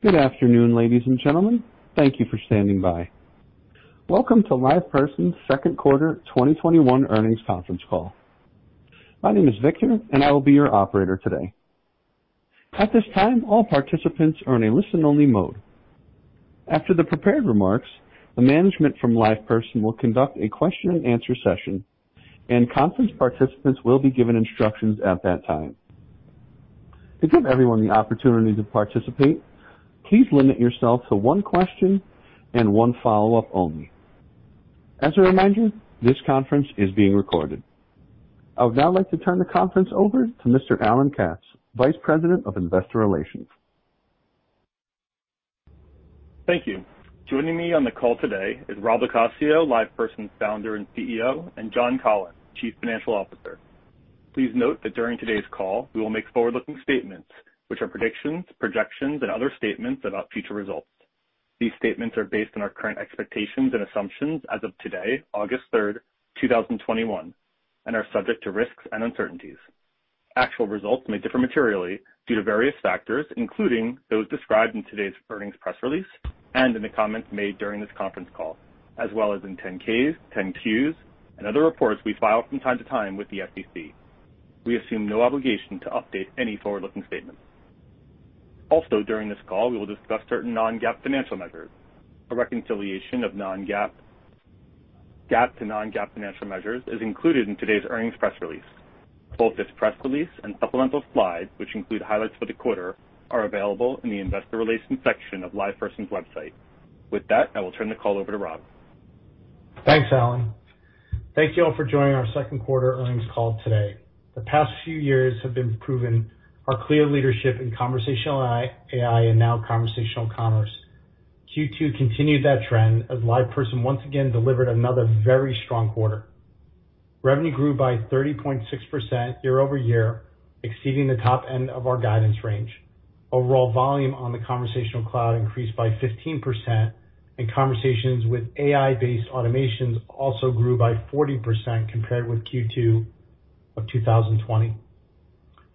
Good afternoon, ladies and gentlemen. Thank you for standing by. Welcome to LivePerson's second quarter 2021 earnings conference call. My name is Victor, and I will be your operator today. At this time, all participants are in a listen-only mode. After the prepared remarks, the management from LivePerson will conduct a question and answer session, and conference participants will be given instructions at that time. To give everyone the opportunity to participate, please limit yourself to one question and one follow-up only. As a reminder, this conference is being recorded. I would now like to turn the conference over to Mr. Alan Katz, Vice President of Investor Relations. Thank you. Joining me on the call today is Rob LoCascio, LivePerson's Founder and CEO, and John Collins, Chief Financial Officer. Please note that during today's call, we will make forward-looking statements, which are predictions, projections, and other statements about future results. These statements are based on our current expectations and assumptions as of today, August 3, 2021, and are subject to risks and uncertainties. Actual results may differ materially due to various factors, including those described in today's earnings press release and in the comments made during this conference call, as well as in 10-K, 10-Q, and other reports we file from time to time with the SEC. We assume no obligation to update any forward-looking statements. Also during this call, we will discuss certain non-GAAP financial measures. A reconciliation of GAAP to non-GAAP financial measures is included in today's earnings press release. Both this press release and supplemental slides, which include highlights for the quarter, are available in the Investor Relations section of LivePerson's website. With that, I will turn the call over to Rob. Thanks, Alan. Thank you all for joining our second quarter earnings call today. The past few years have been proving our clear leadership in conversational AI and now conversational commerce. Q2 continued that trend as LivePerson once again delivered another very strong quarter. Revenue grew by 30.6% year-over-year, exceeding the top end of our guidance range. Overall volume on the Conversational Cloud increased by 15% and conversations with AI-based automations also grew by 40% compared with Q2 of 2020.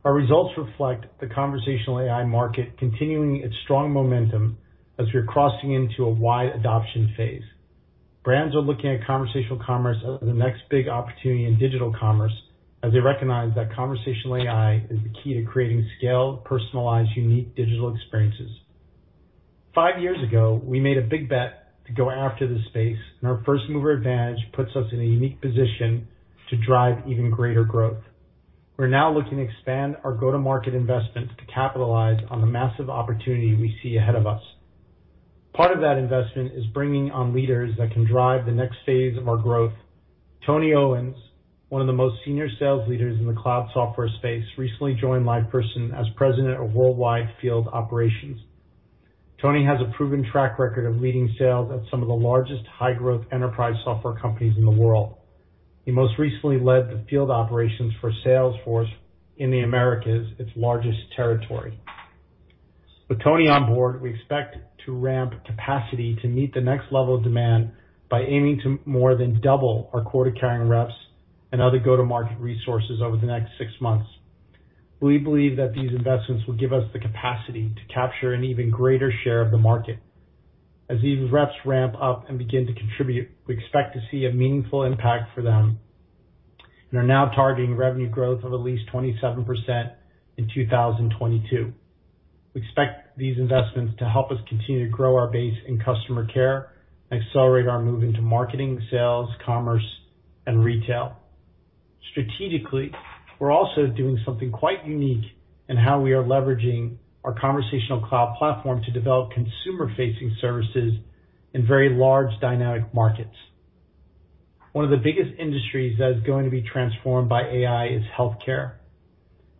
Our results reflect the conversational AI market continuing its strong momentum as we are crossing into a wide adoption phase. Brands are looking at conversational commerce as the next big opportunity in digital commerce as they recognize that conversational AI is the key to creating scaled, personalized, unique digital experiences. Five years ago, we made a big bet to go after this space, and our first-mover advantage puts us in a unique position to drive even greater growth. We're now looking to expand our go-to-market investments to capitalize on the massive opportunity we see ahead of us. Part of that investment is bringing on leaders that can drive the next phase of our growth. Tony Owens, one of the most senior sales leaders in the cloud software space, recently joined LivePerson as President of Worldwide Field Operations. Tony has a proven track record of leading sales at some of the largest high-growth enterprise software companies in the world. He most recently led the field operations for Salesforce in the Americas, its largest territory. With Tony on board, we expect to ramp capacity to meet the next level of demand by aiming to more than double our quota-carrying reps and other go-to-market resources over the next six months. We believe that these investments will give us the capacity to capture an even greater share of the market. As these reps ramp up and begin to contribute, we expect to see a meaningful impact for them and are now targeting revenue growth of at least 27% in 2022. We expect these investments to help us continue to grow our base in customer care and accelerate our move into marketing, sales, commerce, and retail. Strategically, we're also doing something quite unique in how we are leveraging our Conversational Cloud platform to develop consumer-facing services in very large dynamic markets. One of the biggest industries that is going to be transformed by AI is healthcare.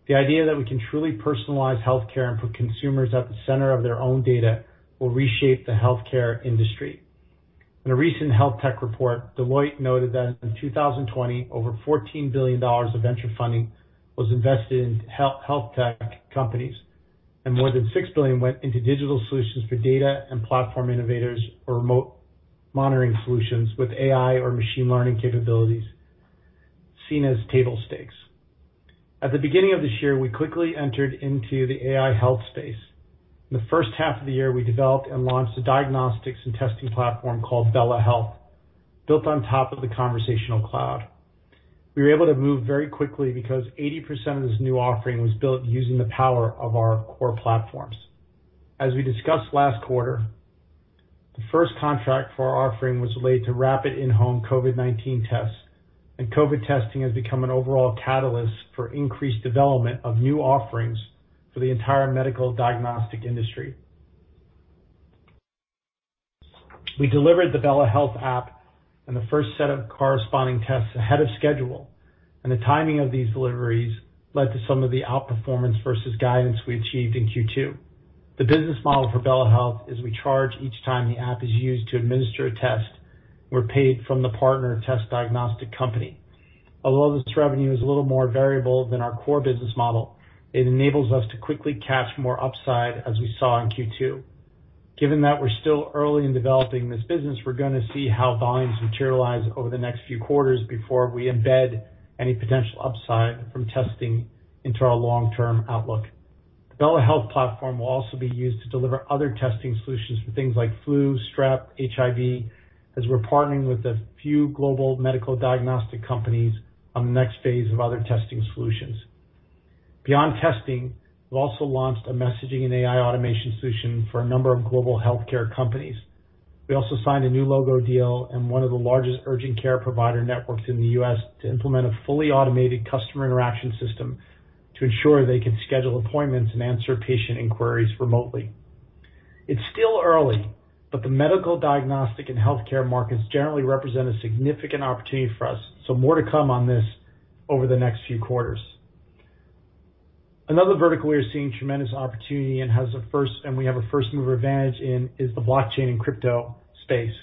The idea that we can truly personalize healthcare and put consumers at the center of their own data will reshape the healthcare industry. In a recent health tech report, Deloitte noted that in 2020, over $14 billion of venture funding was invested in health tech companies, and more than $6 billion went into digital solutions for data and platform innovators or remote monitoring solutions with AI or machine learning capabilities seen as table stakes. At the beginning of this year, we quickly entered into the AI health space. In the first half of the year, we developed and launched a diagnostics and testing platform called BELLA Health, built on top of the Conversational Cloud. We were able to move very quickly because 80% of this new offering was built using the power of our core platforms. As we discussed last quarter, the first contract for our offering was related to rapid in-home COVID-19 tests, and COVID testing has become an overall catalyst for increased development of new offerings for the entire medical diagnostic industry. We delivered the BELLA Health app and the first set of corresponding tests ahead of schedule, and the timing of these deliveries led to some of the outperformance versus guidance we achieved in Q2. The business model for BELLA Health is we charge each time the app is used to administer a test. We are paid from the partner test diagnostic company. Although this revenue is a little more variable than our core business model, it enables us to quickly catch more upside, as we saw in Q2. Given that we're still early in developing this business, we're going to see how volumes materialize over the next few quarters before we embed any potential upside from testing into our long-term outlook. The BELLA Health platform will also be used to deliver other testing solutions for things like flu, strep, HIV, as we're partnering with a few global medical diagnostic companies on the next phase of other testing solutions. Beyond testing, we've also launched a messaging and AI automation solution for a number of global healthcare companies. We also signed a new logo deal and one of the largest urgent care provider networks in the U.S. to implement a fully automated customer interaction system to ensure they can schedule appointments and answer patient inquiries remotely. It's still early, but the medical diagnostic and healthcare markets generally represent a significant opportunity for us. More to come on this over the next few quarters. Another vertical we are seeing tremendous opportunity, and we have a first-mover advantage in is the blockchain and crypto space.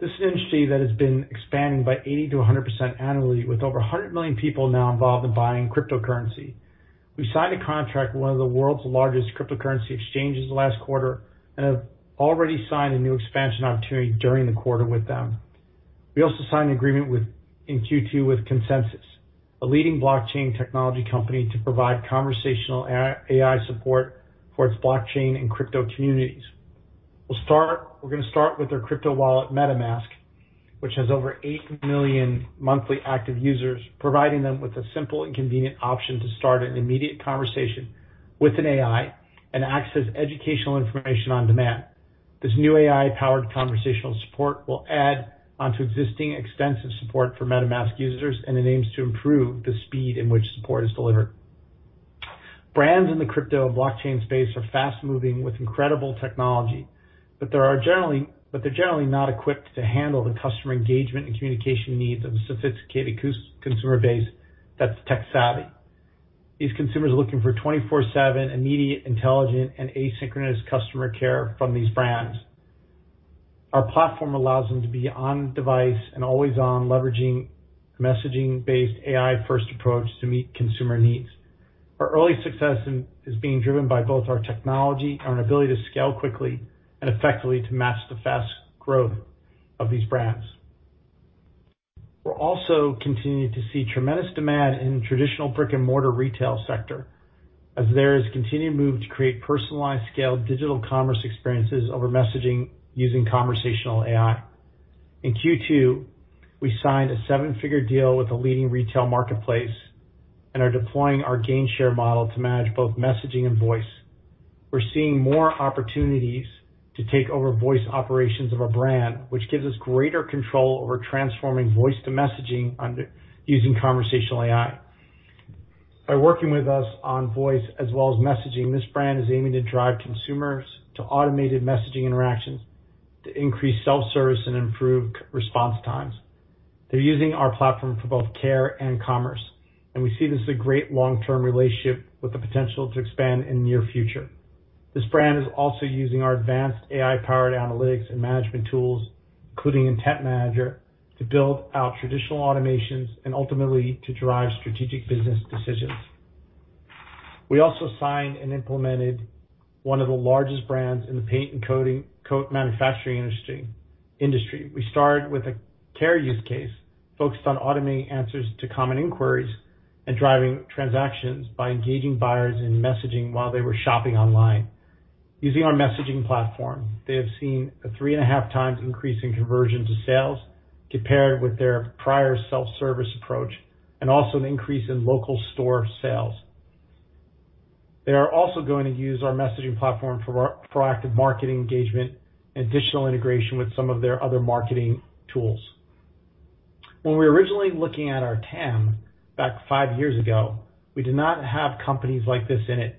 This is an industry that has been expanding by 80%-100% annually, with over 100 million people now involved in buying cryptocurrency. We signed a contract with one of the world's largest cryptocurrency exchanges last quarter and have already signed a new expansion opportunity during the quarter with them. We also signed an agreement in Q2 with ConsenSys, a leading blockchain technology company, to provide conversational AI support for its blockchain and crypto communities. We're going to start with their crypto wallet, MetaMask, which has over 8 million monthly active users, providing them with a simple and convenient option to start an immediate conversation with an AI and access educational information on demand. This new AI-powered conversational support will add onto existing extensive support for MetaMask users, and it aims to improve the speed in which support is delivered. Brands in the crypto blockchain space are fast-moving with incredible technology, but they're generally not equipped to handle the customer engagement and communication needs of a sophisticated consumer base that's tech-savvy. These consumers are looking for 24/7 immediate, intelligent, and asynchronous customer care from these brands. Our platform allows them to be on device and always on, leveraging a messaging-based AI-first approach to meet consumer needs. Our early success is being driven by both our technology and our ability to scale quickly and effectively to match the fast growth of these brands. We are also continuing to see tremendous demand in the traditional brick-and-mortar retail sector as there is a continued move to create personalized, scaled digital commerce experiences over messaging using conversational AI. In Q2, we signed a 7-figure deal with a leading retail marketplace and are deploying our gainshare model to manage both messaging and voice. We are seeing more opportunities to take over voice operations of a brand, which gives us greater control over transforming voice to messaging using conversational AI. By working with us on voice as well as messaging, this brand is aiming to drive consumers to automated messaging interactions to increase self-service and improve response times. They're using our platform for both care and commerce, and we see this as a great long-term relationship with the potential to expand in the near future. This brand is also using our advanced AI-powered analytics and management tools, including Intent Manager, to build out traditional automations and ultimately to drive strategic business decisions. We also signed and implemented one of the largest brands in the paint and coat manufacturing industry. We started with a care use case focused on automating answers to common inquiries and driving transactions by engaging buyers in messaging while they were shopping online. Using our messaging platform, they have seen a 3.5x increase in conversion to sales compared with their prior self-service approach, and also an increase in local store sales. They are also going to use our messaging platform for proactive marketing engagement and additional integration with some of their other marketing tools. When we were originally looking at our TAM back five years ago, we did not have companies like this in it.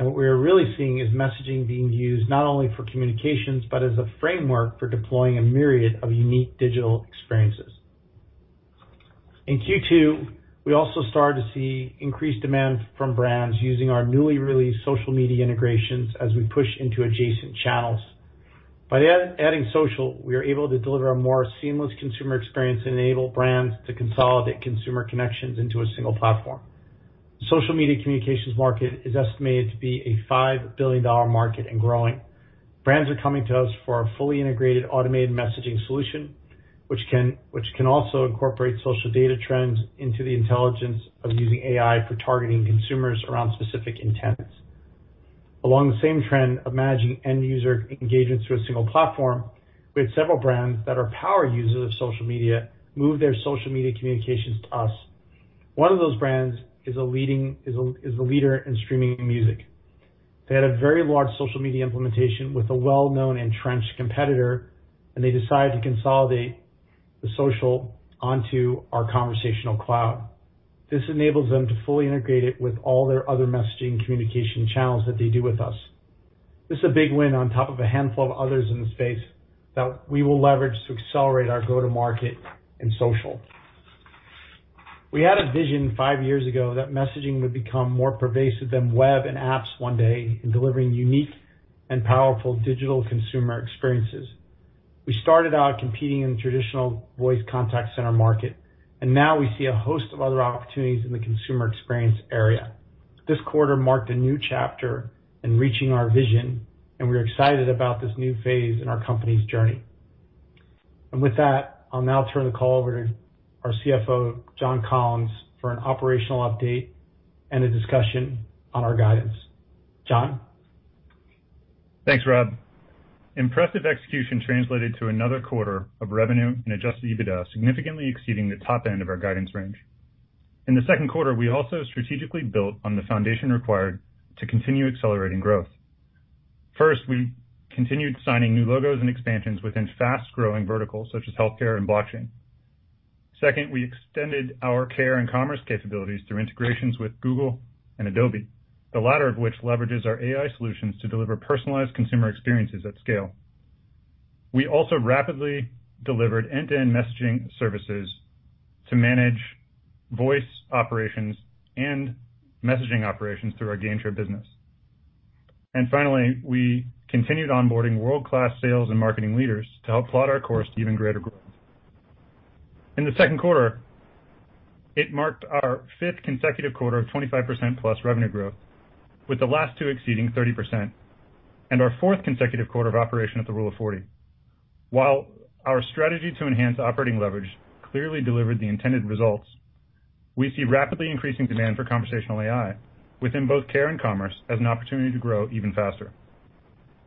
What we are really seeing is messaging being used not only for communications, but as a framework for deploying a myriad of unique digital experiences. In Q2, we also started to see increased demand from brands using our newly released social media integrations as we push into adjacent channels. By adding social, we are able to deliver a more seamless consumer experience and enable brands to consolidate consumer connections into a single platform. The social media communications market is estimated to be a $5 billion market and growing. Brands are coming to us for our fully integrated automated messaging solution, which can also incorporate social data trends into the intelligence of using AI for targeting consumers around specific intents. Along the same trend of managing end user engagements through a single platform, we had several brands that are power users of social media move their social media communications to us. One of those brands is the leader in streaming music. They had a very large social media implementation with a well-known entrenched competitor, and they decided to consolidate the social onto our Conversational Cloud. This enables them to fully integrate it with all their other messaging communication channels that they do with us. This is a big win on top of a handful of others in the space that we will leverage to accelerate our go-to-market in social. We had a vision five years ago that messaging would become more pervasive than web and apps one day in delivering unique and powerful digital consumer experiences. We started out competing in the traditional voice contact center market, and now we see a host of other opportunities in the consumer experience area. This quarter marked a new chapter in reaching our vision, and we're excited about this new phase in our company's journey. With that, I'll now turn the call over to our CFO, John Collins, for an operational update and a discussion on our guidance. John? Thanks, Rob. Impressive execution translated to another quarter of revenue and adjusted EBITDA, significantly exceeding the top end of our guidance range. In the second quarter, we also strategically built on the foundation required to continue accelerating growth. First, we continued signing new logos and expansions within fast-growing verticals such as healthcare and blockchain. Second, we extended our care and commerce capabilities through integrations with Google and Adobe, the latter of which leverages our AI solutions to deliver personalized consumer experiences at scale. We also rapidly delivered end-to-end messaging services to manage voice operations and messaging operations through our Gainshare business. Finally, we continued onboarding world-class sales and marketing leaders to help plot our course to even greater growth. In the second quarter, it marked our fifth consecutive quarter of 25%+ revenue growth, with the last two exceeding 30%, and our fourth consecutive quarter of operation at the Rule of 40. While our strategy to enhance operating leverage clearly delivered the intended results, we see rapidly increasing demand for conversational AI within both care and commerce as an opportunity to grow even faster.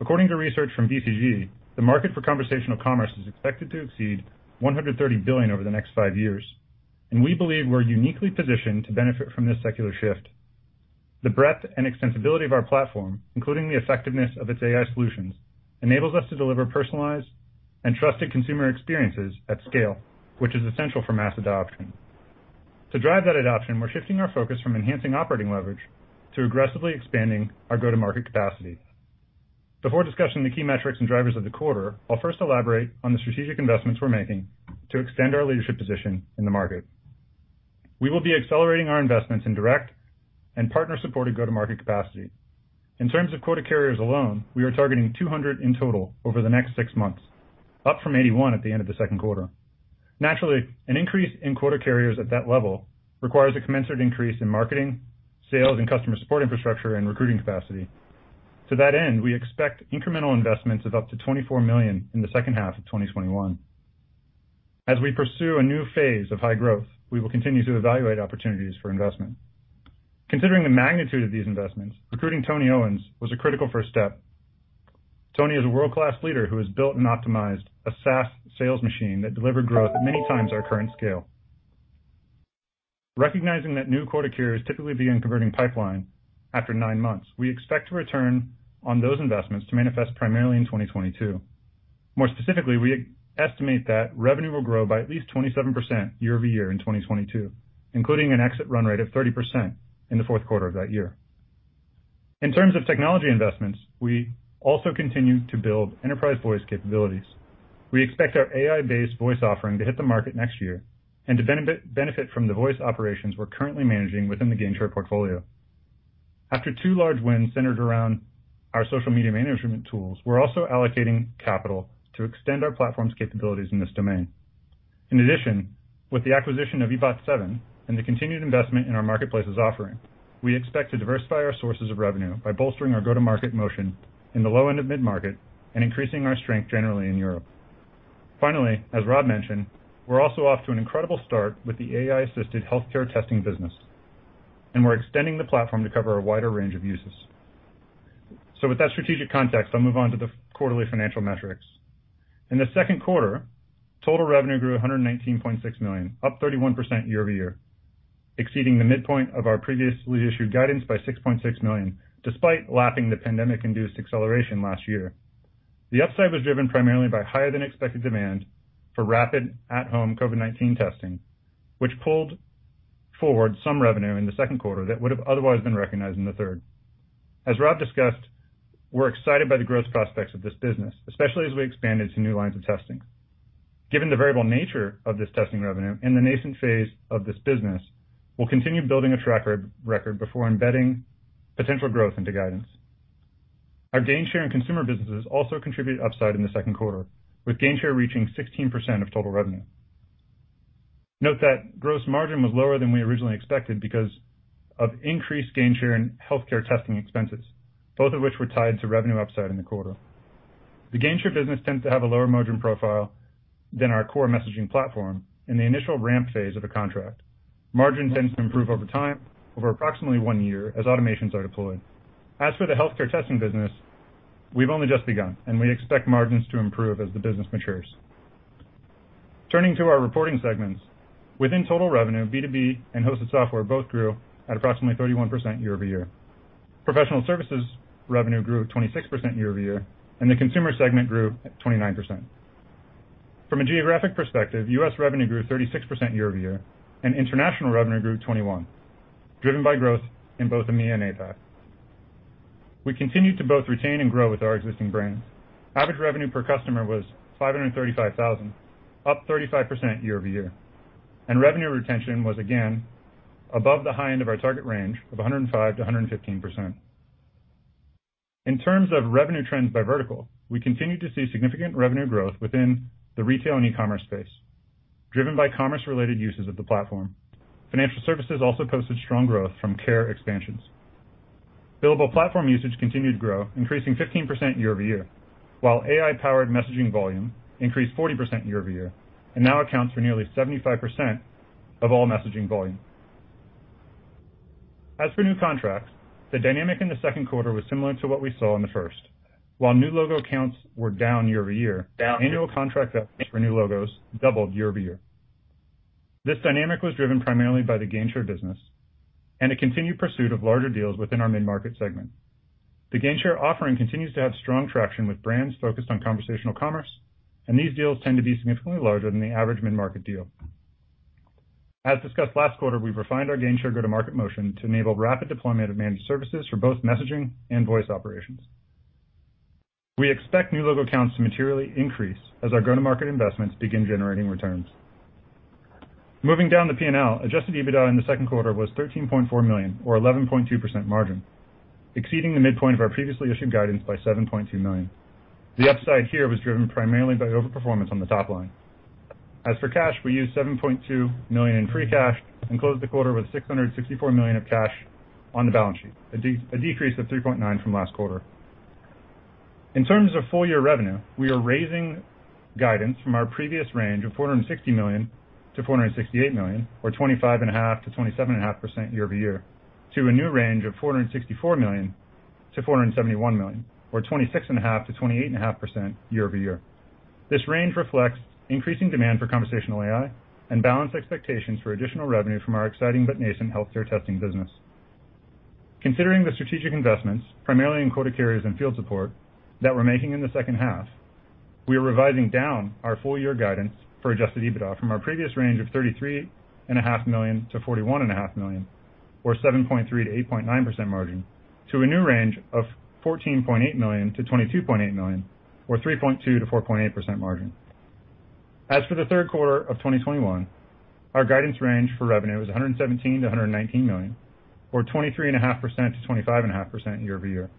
According to research from BCG, the market for conversational commerce is expected to exceed $130 billion over the next five years, and we believe we're uniquely positioned to benefit from this secular shift. The breadth and extensibility of our platform, including the effectiveness of its AI solutions, enables us to deliver personalized and trusted consumer experiences at scale, which is essential for mass adoption. To drive that adoption, we're shifting our focus from enhancing operating leverage to aggressively expanding our go-to-market capacity. Before discussing the key metrics and drivers of the quarter, I will first elaborate on the strategic investments we are making to extend our leadership position in the market. We will be accelerating our investments in direct and partner-supported go-to-market capacity. In terms of quota carriers alone, we are targeting 200 in total over the next six months, up from 81 at the end of the second quarter. Naturally, an increase in quota carriers at that level requires a commensurate increase in marketing, sales, and customer support infrastructure and recruiting capacity. To that end, we expect incremental investments of up to $24 million in the second half of 2021. As we pursue a new phase of high growth, we will continue to evaluate opportunities for investment. Considering the magnitude of these investments, recruiting Tony Owens was a critical first step. Tony is a world-class leader who has built and optimized a SaaS sales machine that delivered growth at many times our current scale. Recognizing that new quota carriers typically begin converting pipeline after nine months, we expect to return on those investments to manifest primarily in 2022. More specifically, we estimate that revenue will grow by at least 27% year-over-year in 2022, including an exit run rate of 30% in the fourth quarter of that year. In terms of technology investments, we also continue to build enterprise voice capabilities. We expect our AI-based voice offering to hit the market next year and to benefit from the voice operations we're currently managing within the Gainshare portfolio. After two large wins centered around our social media management tools, we're also allocating capital to extend our platform's capabilities in this domain. With the acquisition of e-bot7 and the continued investment in our marketplaces offering, we expect to diversify our sources of revenue by bolstering our go-to-market motion in the low end of mid-market and increasing our strength generally in Europe. As Rob mentioned, we're also off to an incredible start with the AI-assisted healthcare testing business, and we're extending the platform to cover a wider range of uses. With that strategic context, I'll move on to the quarterly financial metrics. In the second quarter, total revenue grew to $119.6 million, up 31% year-over-year, exceeding the midpoint of our previously issued guidance by $6.6 million, despite lapping the pandemic-induced acceleration last year. The upside was driven primarily by higher than expected demand for rapid at-home COVID-19 testing, which pulled forward some revenue in the second quarter that would have otherwise been recognized in the third. As Rob discussed, we're excited by the growth prospects of this business, especially as we expand into new lines of testing. Given the variable nature of this testing revenue and the nascent phase of this business, we'll continue building a track record before embedding potential growth into guidance. Our Gainshare and consumer businesses also contributed upside in the second quarter, with Gainshare reaching 16% of total revenue. Note that gross margin was lower than we originally expected because of increased Gainshare and healthcare testing expenses, both of which were tied to revenue upside in the quarter. The Gainshare business tends to have a lower margin profile than our core messaging platform in the initial ramp phase of a contract. Margin tends to improve over time over approximately one year as automations are deployed. As for the healthcare testing business, we've only just begun. We expect margins to improve as the business matures. Turning to our reporting segments. Within total revenue, B2B and hosted software both grew at approximately 31% year-over-year. Professional services revenue grew at 26% year-over-year. The consumer segment grew at 29%. From a geographic perspective, U.S. revenue grew 36% year-over-year. International revenue grew 21%, driven by growth in both EMEA and APAC. We continued to both retain and grow with our existing brands. Average revenue per customer was $535,000, up 35% year-over-year. Revenue retention was again above the high end of our target range of 105%-115%. In terms of revenue trends by vertical, we continue to see significant revenue growth within the retail and e-commerce space, driven by commerce-related uses of the platform. Financial services also posted strong growth from care expansions. Billable platform usage continued to grow, increasing 15% year-over-year, while AI-powered messaging volume increased 40% year-over-year and now accounts for nearly 75% of all messaging volume. As for new contracts, the dynamic in the second quarter was similar to what we saw in the first. While new logo accounts were down year-over-year, annual contract value for new logos doubled year-over-year. This dynamic was driven primarily by the Gainshare business and a continued pursuit of larger deals within our mid-market segment. The Gainshare offering continues to have strong traction with brands focused on conversational commerce, and these deals tend to be significantly larger than the average mid-market deal. As discussed last quarter, we've refined our Gainshare go-to-market motion to enable rapid deployment of managed services for both messaging and voice operations. We expect new logo accounts to materially increase as our go-to-market investments begin generating returns. Moving down the P&L, adjusted EBITDA in the second quarter was $13.4 million or 11.2% margin, exceeding the midpoint of our previously issued guidance by $7.2 million. The upside here was driven primarily by over-performance on the top line. As for cash, we used $7.2 million in free cash and closed the quarter with $664 million of cash on the balance sheet, a decrease of $3.9 million from last quarter. In terms of full-year revenue, we are raising guidance from our previous range of $460 million-$468 million, or 25.5%-27.5% year-over-year, to a new range of $464 million-$471 million, or 26.5%-28.5% year-over-year. This range reflects increasing demand for conversational AI and balanced expectations for additional revenue from our exciting but nascent healthcare testing business. Considering the strategic investments, primarily in quota carriers and field support, that we're making in the second half, we are revising down our full-year guidance for adjusted EBITDA from our previous range of $33.5 million-$41.5 million, or 7.3%-8.9% margin, to a new range of $14.8 million-$22.8 million, or 3.2%-4.8% margin. As for the third quarter of 2021, our guidance range for revenue is $117 million-$119 million, or 23.5%-25.5% year-over-year,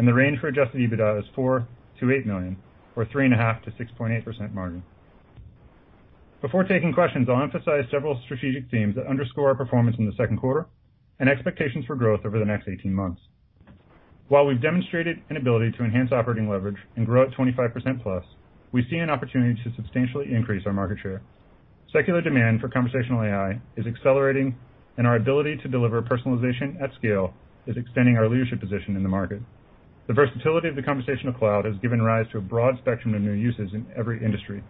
and the range for adjusted EBITDA is $4 million-$8 million, or 3.5%-6.8% margin. Before taking questions, I'll emphasize several strategic themes that underscore our performance in the second quarter and expectations for growth over the next 18 months. While we've demonstrated an ability to enhance operating leverage and grow at 25%+, we see an opportunity to substantially increase our market share. Secular demand for conversational AI is accelerating, and our ability to deliver personalization at scale is extending our leadership position in the market. The versatility of the Conversational Cloud has given rise to a broad spectrum of new uses in every industry.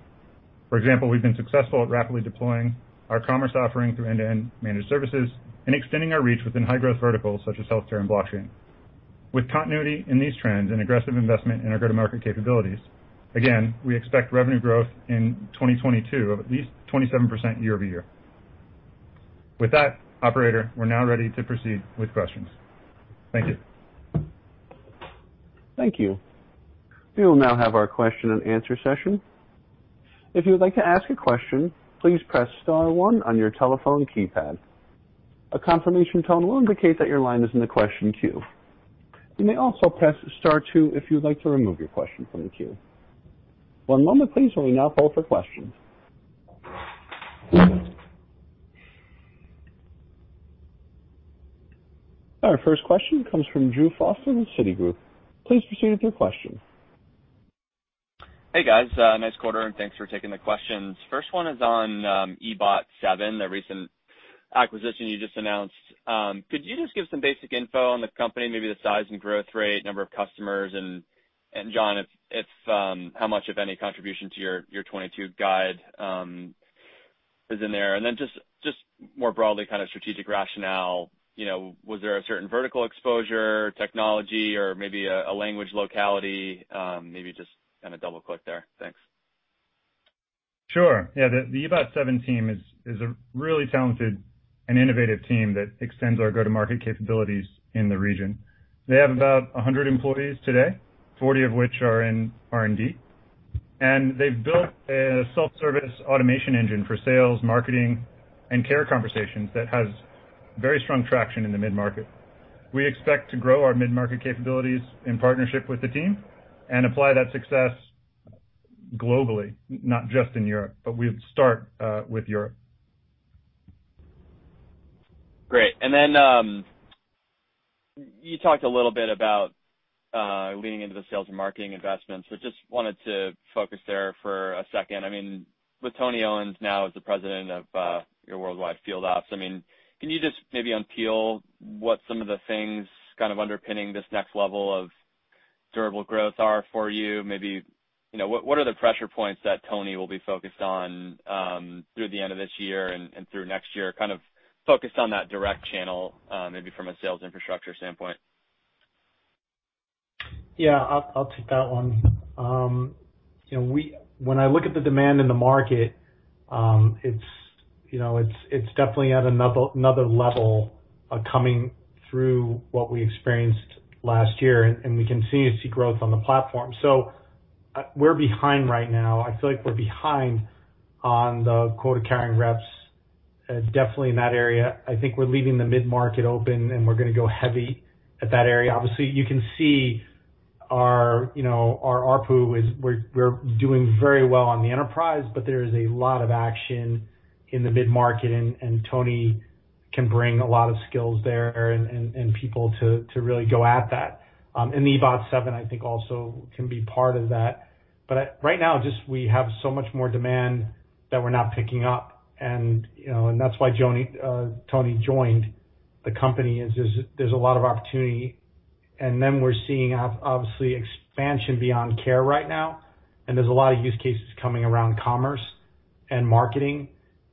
For example, we've been successful at rapidly deploying our commerce offering through end-to-end managed services and extending our reach within high-growth verticals such as healthcare and blockchain. With continuity in these trends and aggressive investment in our go-to-market capabilities, again, we expect revenue growth in 2022 of at least 27% year-over-year. With that, operator, we're now ready to proceed with questions. Thank you. Our first question comes from Drew Foster with Citigroup. Please proceed with your question. Hey, guys. Nice quarter. Thanks for taking the questions. First one is on e-bot7, the recent acquisition you just announced. Could you just give some basic info on the company, maybe the size and growth rate, number of customers. John, how much, if any, contribution to your 2022 guide is in there? Just more broadly, strategic rationale. Was there a certain vertical exposure technology or maybe a language locality? Maybe just double click there. Thanks. Sure. Yeah. The e-bot7 team is a really talented and innovative team that extends our go-to-market capabilities in the region. They have about 100 employees today, 40 of which are in R&D. They've built a self-service automation engine for sales, marketing, and care conversations that has very strong traction in the mid-market. We expect to grow our mid-market capabilities in partnership with the team and apply that success globally, not just in Europe, but we'll start with Europe. Great. You talked a little bit about leaning into the sales and marketing investments. I just wanted to focus there for a second. With Tony Owens now as the President of your Worldwide Field Ops, can you just maybe unpeel what some of the things underpinning this next level of durable growth are for you? What are the pressure points that Tony will be focused on through the end of this year and through next year, focused on that direct channel maybe from a sales infrastructure standpoint? Yeah. I'll take that one. When I look at the demand in the market, it's definitely at another level of coming through what we experienced last year, and we continue to see growth on the platform. We're behind right now. I feel like we're behind on the quota-carrying reps. Definitely in that area. I think we're leaving the mid-market open, and we're going to go heavy at that area. Obviously, you can see our ARPU is we're doing very well on the enterprise, but there is a lot of action in the mid-market, and Tony can bring a lot of skills there and people to really go at that. The e-bot7, I think also can be part of that. Right now, just we have so much more demand that we're not picking up, and that's why Tony joined the company is there's a lot of opportunity. We're seeing, obviously, expansion beyond care right now, and there's a lot of use cases coming around commerce and marketing,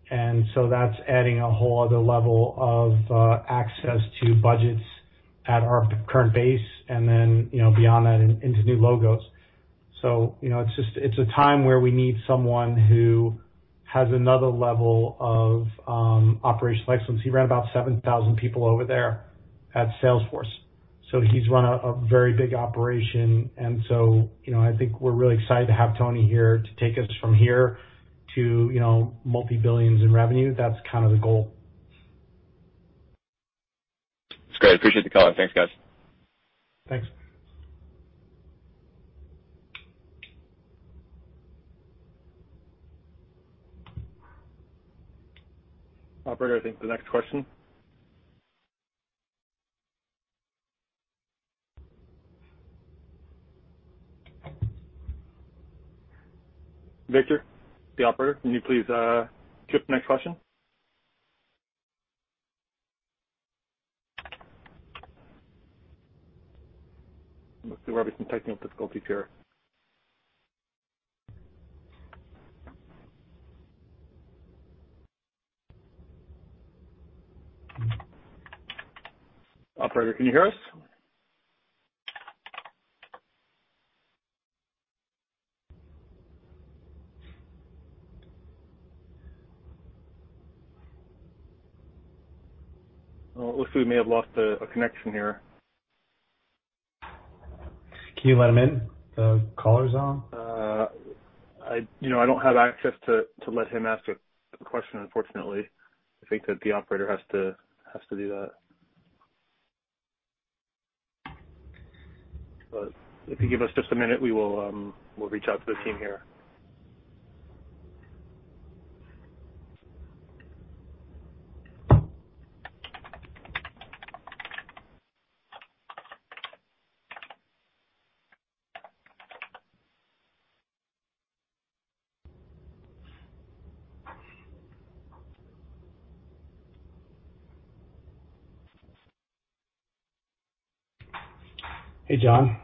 and so that's adding a whole other level of access to budgets at our current base and then beyond that into new logos. It's a time where we need someone who has another level of operational excellence. He ran about 7,000 people over there at Salesforce, so he's run a very big operation, and so I think we're really excited to have Tony here to take us from here to multi-billions in revenue. That's kind of the goal. That's great. Appreciate the call. Thanks, guys. Thanks. Operator, I think the next question. Victor, the operator, can you please queue up the next question? It looks we're having some technical difficulties here. Operator, can you hear us? Well, it looks like we may have lost a connection here. Can you let him in? The caller's on. I don't have access to let him ask a question, unfortunately. I think that the operator has to do that. If you give us just a minute, we'll reach out to the team here. Hey, John.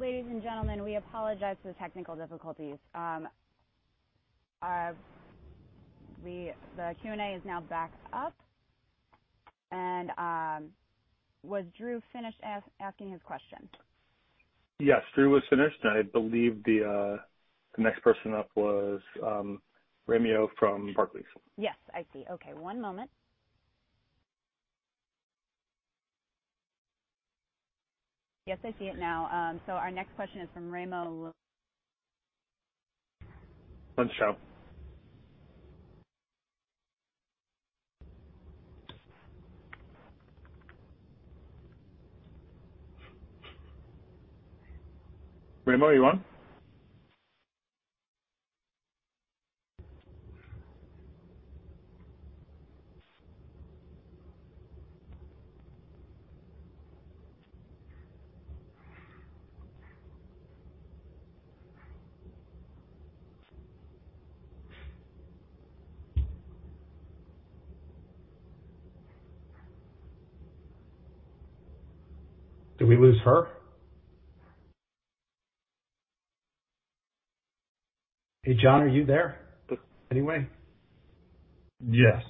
Ladies and gentlemen, we apologize for the technical difficulties. The Q&A is now back up. Was Drew finished asking his question? Yes, Drew was finished, and I believe the next person up was Raimo Lenschow from Barclays. Yes, I see. Okay, one moment. Yes, I see it now. Our next question is from Raimo Lenschow. One sec. Raimo, are you on? Did we lose her? Hey, John, are you there anyway? Yes.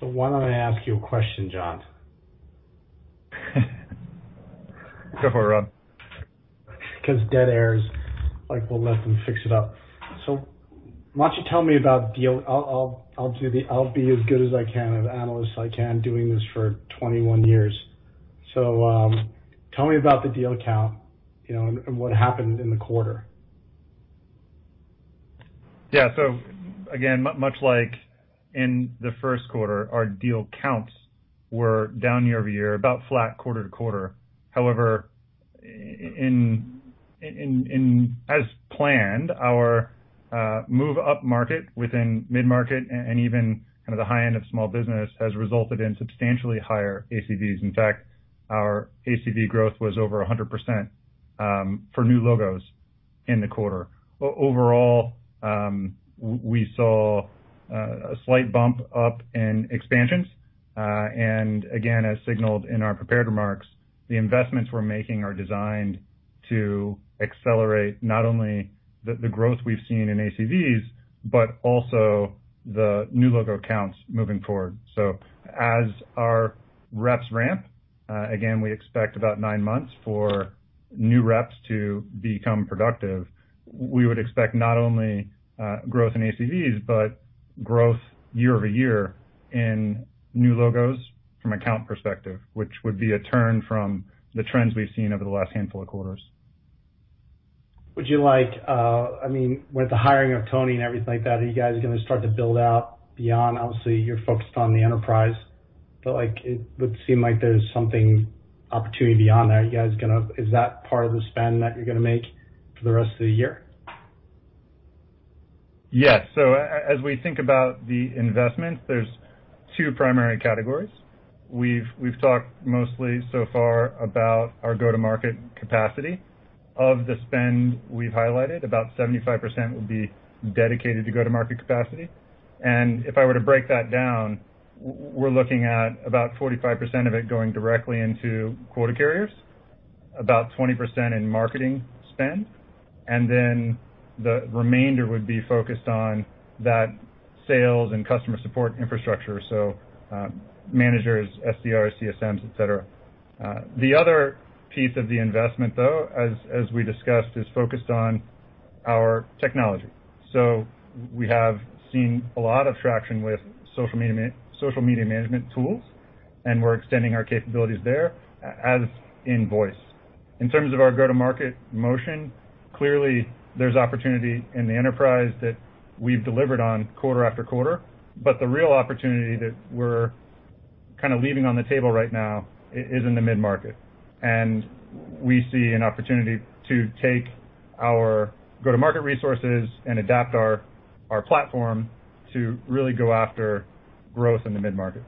Why don't I ask you a question, John? Go for it, Rob. Dead air is like, we'll let them fix it up. I'll be as good as I can, of analyst as I can doing this for 21 years. Tell me about the deal count, and what happened in the quarter. Yeah. Again, much like in the first quarter, our deal counts were down year-over-year, about flat quarter-to-quarter. However, as planned, our move upmarket within mid-market and even kind of the high end of small business has resulted in substantially higher ACV. In fact, our ACV growth was over 100% for new logos in the quarter. Overall, we saw a slight bump up in expansions. Again, as signaled in our prepared remarks, the investments we're making are designed to accelerate not only the growth we've seen in ACV but also the new logo counts moving forward. As our reps ramp, again, we expect about nine months for new reps to become productive. We would expect not only growth in ACV, but growth year-over-year in new logos from account perspective, which would be a turn from the trends we've seen over the last handful of quarters. With the hiring of Tony and everything like that, are you guys going to start to build out beyond, obviously, you're focused on the enterprise, but it would seem like there's something opportunity beyond that. Is that part of the spend that you're going to make for the rest of the year? Yes. As we think about the investments, there's two primary categories. We've talked mostly so far about our go-to-market capacity. Of the spend we've highlighted, about 75% will be dedicated to go-to-market capacity. If I were to break that down, we're looking at about 45% of it going directly into quota carriers, about 20% in marketing spend, and then the remainder would be focused on that sales and customer support infrastructure. Managers, SDR, CSM, et cetera. The other piece of the investment, though, as we discussed, is focused on our technology. We have seen a lot of traction with social media management tools, and we're extending our capabilities there, as in voice. In terms of our go-to-market motion, clearly, there's opportunity in the enterprise that we've delivered on quarter after quarter, but the real opportunity that we're kind of leaving on the table right now is in the mid-market. We see an opportunity to take our go-to-market resources and adapt our platform to really go after growth in the mid-market.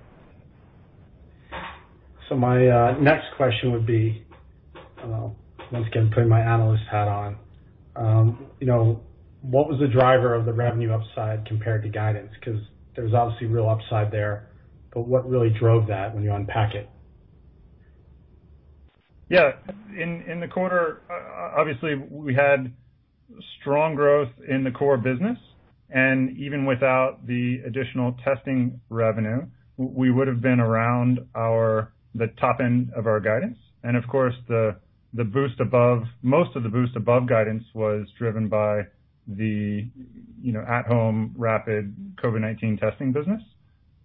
My next question would be, once again, putting my analyst hat on. What was the driver of the revenue upside compared to guidance? There's obviously real upside there, but what really drove that when you unpack it? In the quarter, obviously, we had strong growth in the core business, and even without the additional testing revenue, we would've been around the top end of our guidance. Of course, most of the boost above guidance was driven by the at-home rapid COVID-19 testing business.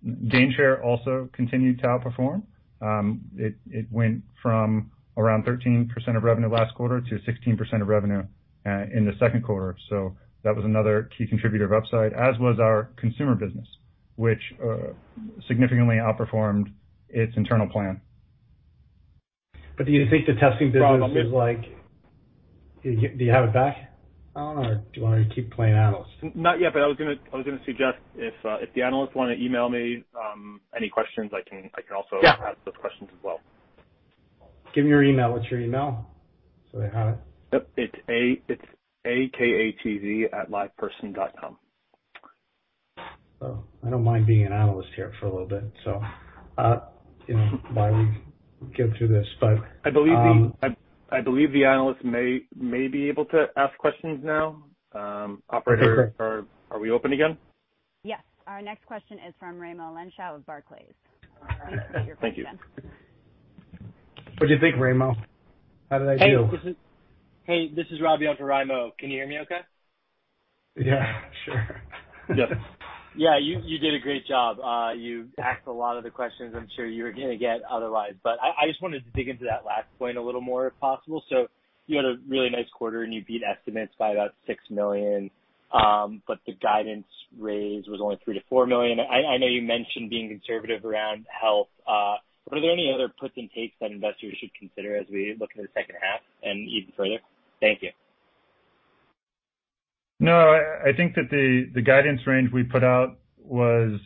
Gainshare also continued to outperform. It went from around 13% of revenue last quarter to 16% of revenue in the second quarter. That was another key contributor of upside, as was our consumer business, which significantly outperformed its internal plan. Do you think the testing business is? Rob, I'll mute. Do you have it back on, or do you want me to keep playing out? Not yet. I was going to suggest if the analysts want to email me any questions- Yeah. And ask those questions as well. Give me your email. What's your email? They have it. It's akatz@liveperson.com. I don't mind being an analyst here for a little bit. While we get through this. I believe the analysts may be able to ask questions now. Okay, great. Operator, are we open again? Yes. Our next question is from Raimo Lenschow of Barclays. Thank you. What'd you think, Raimo? How did I do? Hey, this is Robbie off of Raimo. Can you hear me okay? Yeah, sure. Yeah, you did a great job. You asked a lot of the questions I'm sure you were going to get otherwise. I just wanted to dig into that last point a little more, if possible. You had a really nice quarter, and you beat estimates by about $6 million. The guidance raise was only $3 million-$4 million. I know you mentioned being conservative around health. Are there any other puts and takes that investors should consider as we look at the second half and even further? Thank you. No, I think that the guidance range we put out was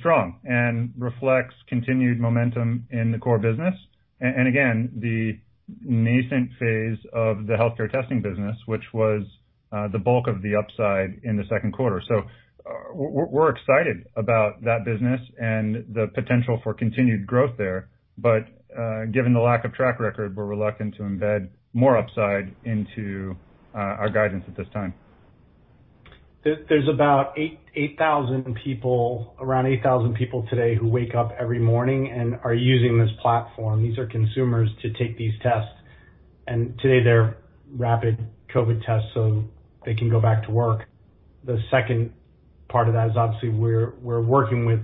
strong and reflects continued momentum in the core business. Again, the nascent phase of the healthcare testing business, which was the bulk of the upside in the second quarter. We're excited about that business and the potential for continued growth there. Given the lack of track record, we're reluctant to embed more upside into our guidance at this time. There's around 8,000 people today who wake up every morning and are using this platform, these are consumers, to take these tests. Today they're rapid COVID tests, so they can go back to work. The second part of that is obviously we're working with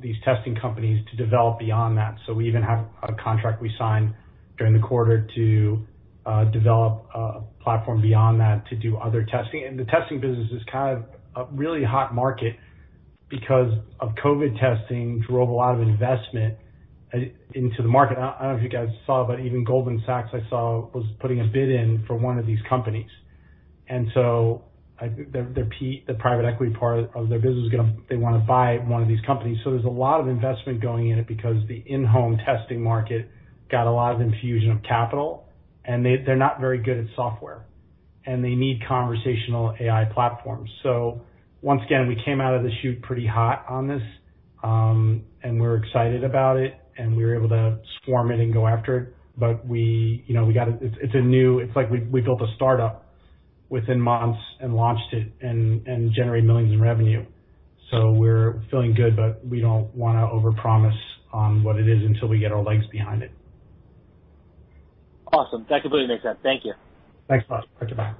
these testing companies to develop beyond that. We even have a contract we signed during the quarter to develop a platform beyond that to do other testing. The testing business is kind of a really hot market because of COVID testing drove a lot of investment into the market. I don't know if you guys saw, but even Goldman Sachs, I saw, was putting a bid in for one of these companies. Their private equity part of their business, they want to buy one of these companies. There's a lot of investment going in it because the in-home testing market got a lot of infusion of capital, and they're not very good at software, and they need conversational AI platforms. Once again, we came out of the chute pretty hot on this, and we're excited about it, and we were able to swarm it and go after it. It's like we built a startup within months and launched it and generated millions in revenue. We're feeling good, but we don't want to overpromise on what it is until we get our legs behind it. Awesome. That completely makes sense. Thank you. Thanks, Rob. Thank you. Bye.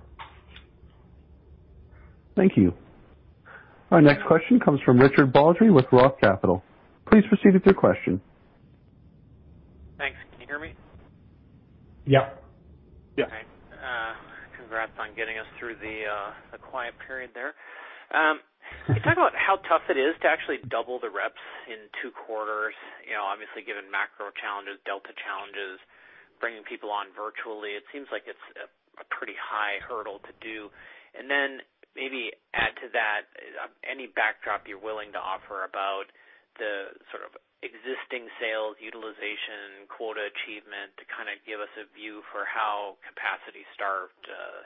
Thank you. Our next question comes from Richard Baldry with Roth Capital. Please proceed with your question. Thanks. Can you hear me? Yep. Yeah. Okay. Congrats on getting us through the quiet period there. Can you talk about how tough it is to actually double the reps in two quarters? Obviously, given macro challenges, delta challenges, bringing people on virtually, it seems like it's a pretty high hurdle to do. Then maybe add to that any backdrop you're willing to offer about the sort of existing sales utilization quota achievement to kind of give us a view for how capacity starved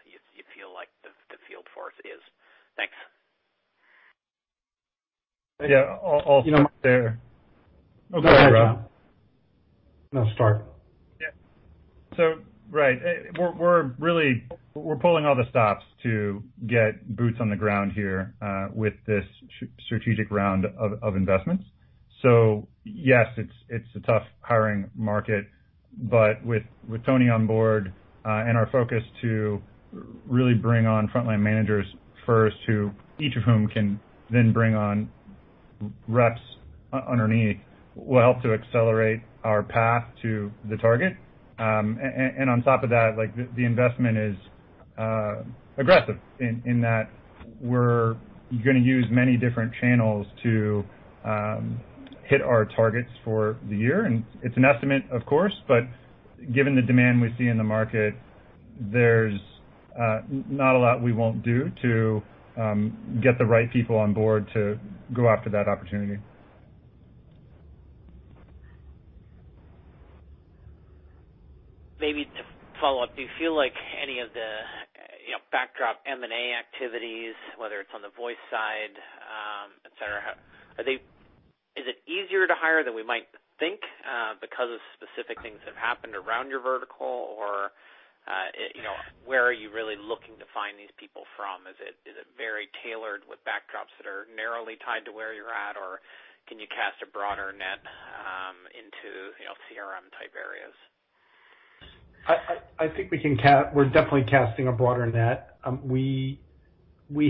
you feel like the field force is. Thanks. I'll start there. Go ahead, Rob. No, start. Yeah. Right. We're pulling all the stops to get boots on the ground here with this strategic round of investments. Yes, it's a tough hiring market, but with Tony on board and our focus to really bring on frontline managers first, each of whom can then bring on reps underneath, will help to accelerate our path to the target. On top of that, the investment is aggressive in that we're going to use many different channels to hit our targets for the year. It's an estimate, of course, but given the demand we see in the market, there's not a lot we won't do to get the right people on board to go after that opportunity. Maybe to follow up, do you feel like any of the backdrop M&A activities, whether it's on the voice side, et cetera, is it easier to hire than we might think because of specific things that have happened around your vertical? Where are you really looking to find these people from? Is it very tailored with backdrops that are narrowly tied to where you're at, or can you cast a broader net into CRM type areas? I think we're definitely casting a broader net. We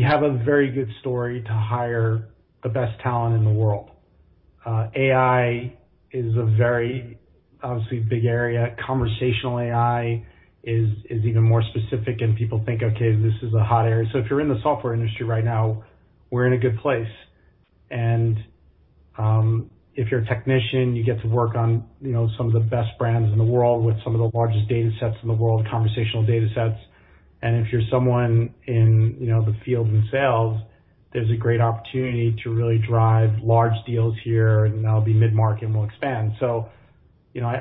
have a very good story to hire the best talent in the world. AI is a very obviously big area. Conversational AI is even more specific, people think, "Okay, this is a hot area." If you're in the software industry right now, we're in a good place. If you're a technician, you get to work on some of the best brands in the world with some of the largest data sets in the world, conversational data sets. If you're someone in the field, in sales, there's a great opportunity to really drive large deals here, that'll be mid-market, we'll expand.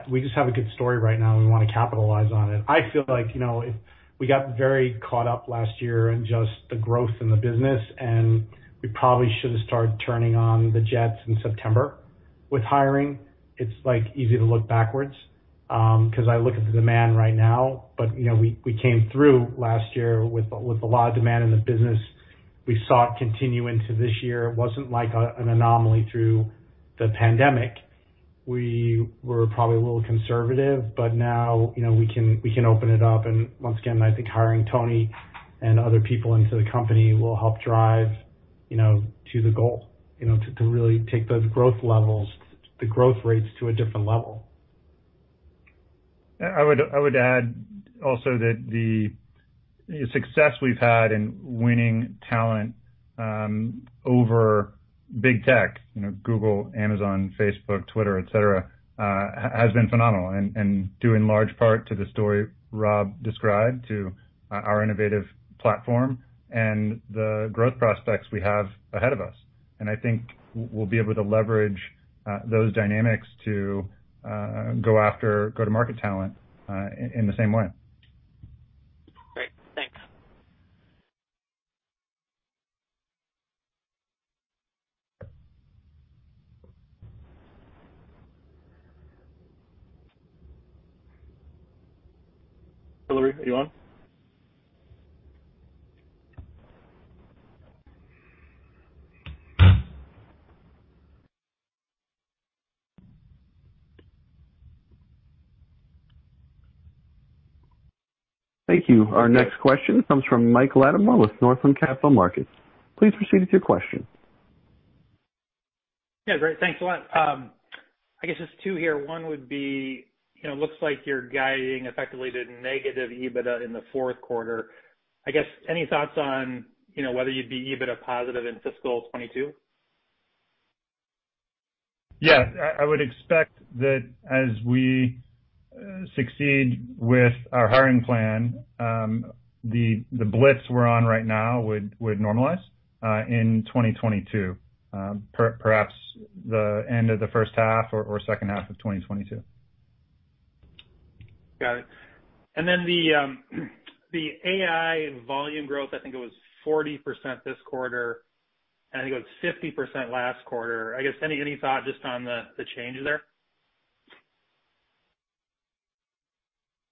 We just have a good story right now, we want to capitalize on it. I feel like we got very caught up last year in just the growth in the business, and we probably should have started turning on the jets in September with hiring. It's easy to look backwards because I look at the demand right now. We came through last year with a lot of demand in the business. We saw it continue into this year. It wasn't like an anomaly through the pandemic. We were probably a little conservative, but now we can open it up. Once again, I think hiring Tony and other people into the company will help drive to the goal, to really take those growth rates to a different level. I would add also that the success we've had in winning talent over big tech, Google, Amazon, Facebook, Twitter, et cetera, has been phenomenal and due in large part to the story Rob described to our innovative platform and the growth prospects we have ahead of us. I think we'll be able to leverage those dynamics to go after go-to-market talent in the same way. Great. Thanks. Hillary, are you on? Thank you. Our next question comes from Mike Latimore with Northland Capital Markets. Please proceed with your question. Yeah, great. Thanks a lot. I guess there's two here. One would be, it looks like you're guiding effectively to negative EBITDA in the fourth quarter. I guess any thoughts on whether you'd be EBITDA positive in fiscal 2022? I would expect that as we succeed with our hiring plan, the blitz we're on right now would normalize in 2022, perhaps the end of the first half or second half of 2022. Got it. The AI volume growth, I think it was 40% this quarter, and I think it was 50% last quarter. I guess any thought just on the change there?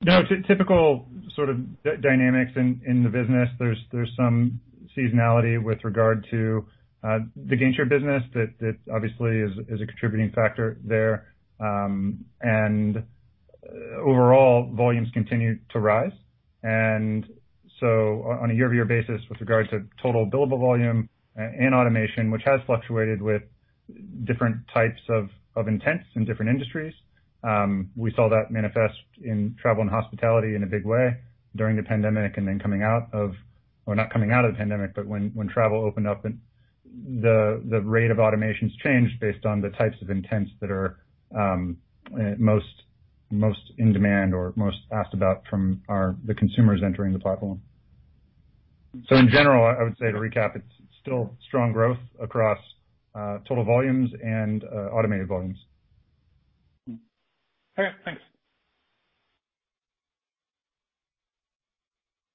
No, typical sort of dynamics in the business. There's some seasonality with regard to the Gainshare business that obviously is a contributing factor there. Overall volumes continue to rise. So on a year-over-year basis, with regards to total billable volume and automation, which has fluctuated with different types of intents in different industries. We saw that manifest in travel and hospitality in a big way during the pandemic and then coming out of, or not coming out of the pandemic, but when travel opened up and the rate of automations changed based on the types of intents that are most in demand or most asked about from the consumers entering the platform. In general, I would say to recap, it's still strong growth across total volumes and automated volumes. Okay, thanks.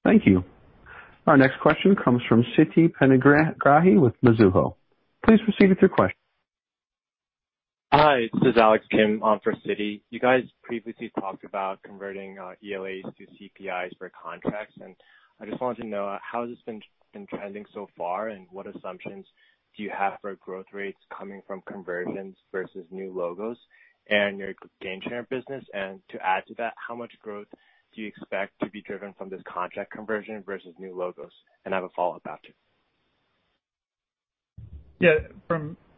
Thank you. Our next question comes from Siti Panigrahi with Mizuho. Please proceed with your question. Hi, this is Alex Kim on for Siti. You guys previously talked about converting ELAs to CPIs for contracts, and I just wanted to know how has this been trending so far, and what assumptions do you have for growth rates coming from conversions versus new logos in your Gainshare business? To add to that, how much growth do you expect to be driven from this contract conversion versus new logos? I have a follow-up after. Yeah.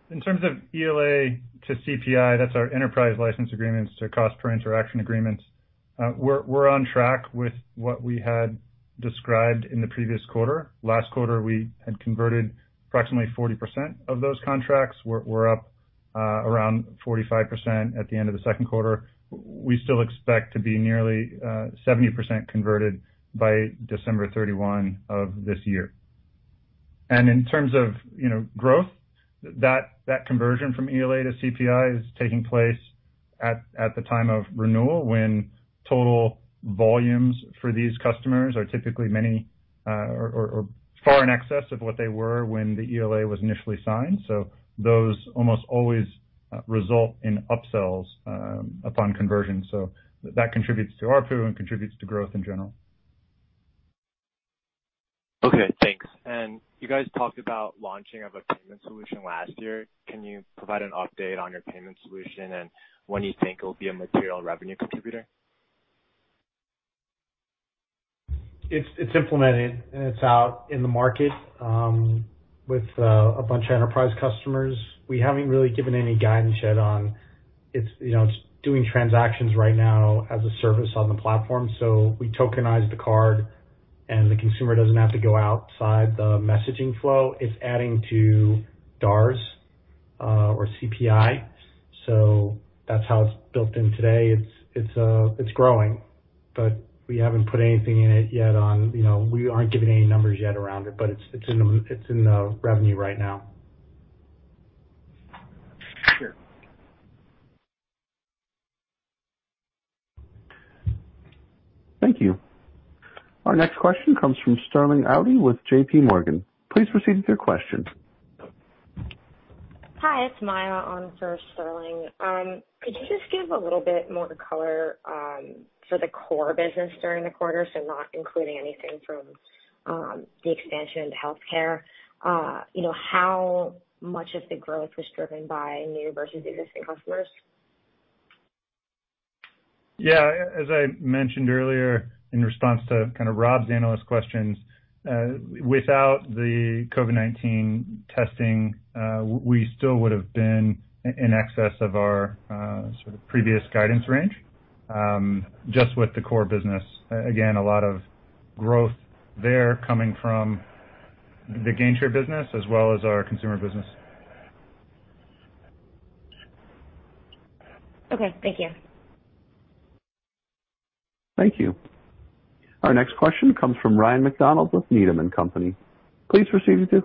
In terms of ELA to CPI, that's our enterprise license agreements to cost per interaction agreements. We're on track with what we had described in the previous quarter. Last quarter, we had converted approximately 40% of those contracts. We're up around 45% at the end of the second quarter. We still expect to be nearly 70% converted by December 31 of this year. In terms of growth, that conversion from ELA to CPI is taking place at the time of renewal, when total volumes for these customers are typically many or far in excess of what they were when the ELA was initially signed. Those almost always result in upsells upon conversion. That contributes to ARPU and contributes to growth in general. Okay, thanks. You guys talked about launching of a payment solution last year. Can you provide an update on your payment solution and when you think it'll be a material revenue contributor? It's implemented, it's out in the market with a bunch of enterprise customers. We haven't really given any guidance yet on it. It's doing transactions right now as a service on the platform. We tokenize the card, and the consumer doesn't have to go outside the messaging flow. It's adding to DARs or CPI. That's how it's built in today. It's growing, we haven't put anything in it yet. We aren't giving any numbers yet around it, but it's in the revenue right now. Sure. Thank you. Our next question comes from Sterling Auty with JPMorgan. Please proceed with your question. Hi, it's Maya on for Sterling. Could you just give a little bit more color for the core business during the quarter, so not including anything from the expansion into healthcare? How much of the growth was driven by new versus existing customers? As I mentioned earlier in response to Rob's analyst questions, without the COVID-19 testing, we still would've been in excess of our previous guidance range, just with the core business. A lot of growth there coming from the Gainshare business as well as our consumer business. Okay, thank you. Thank you. Our next question comes from Ryan MacDonald with Needham & Company. Please proceed with your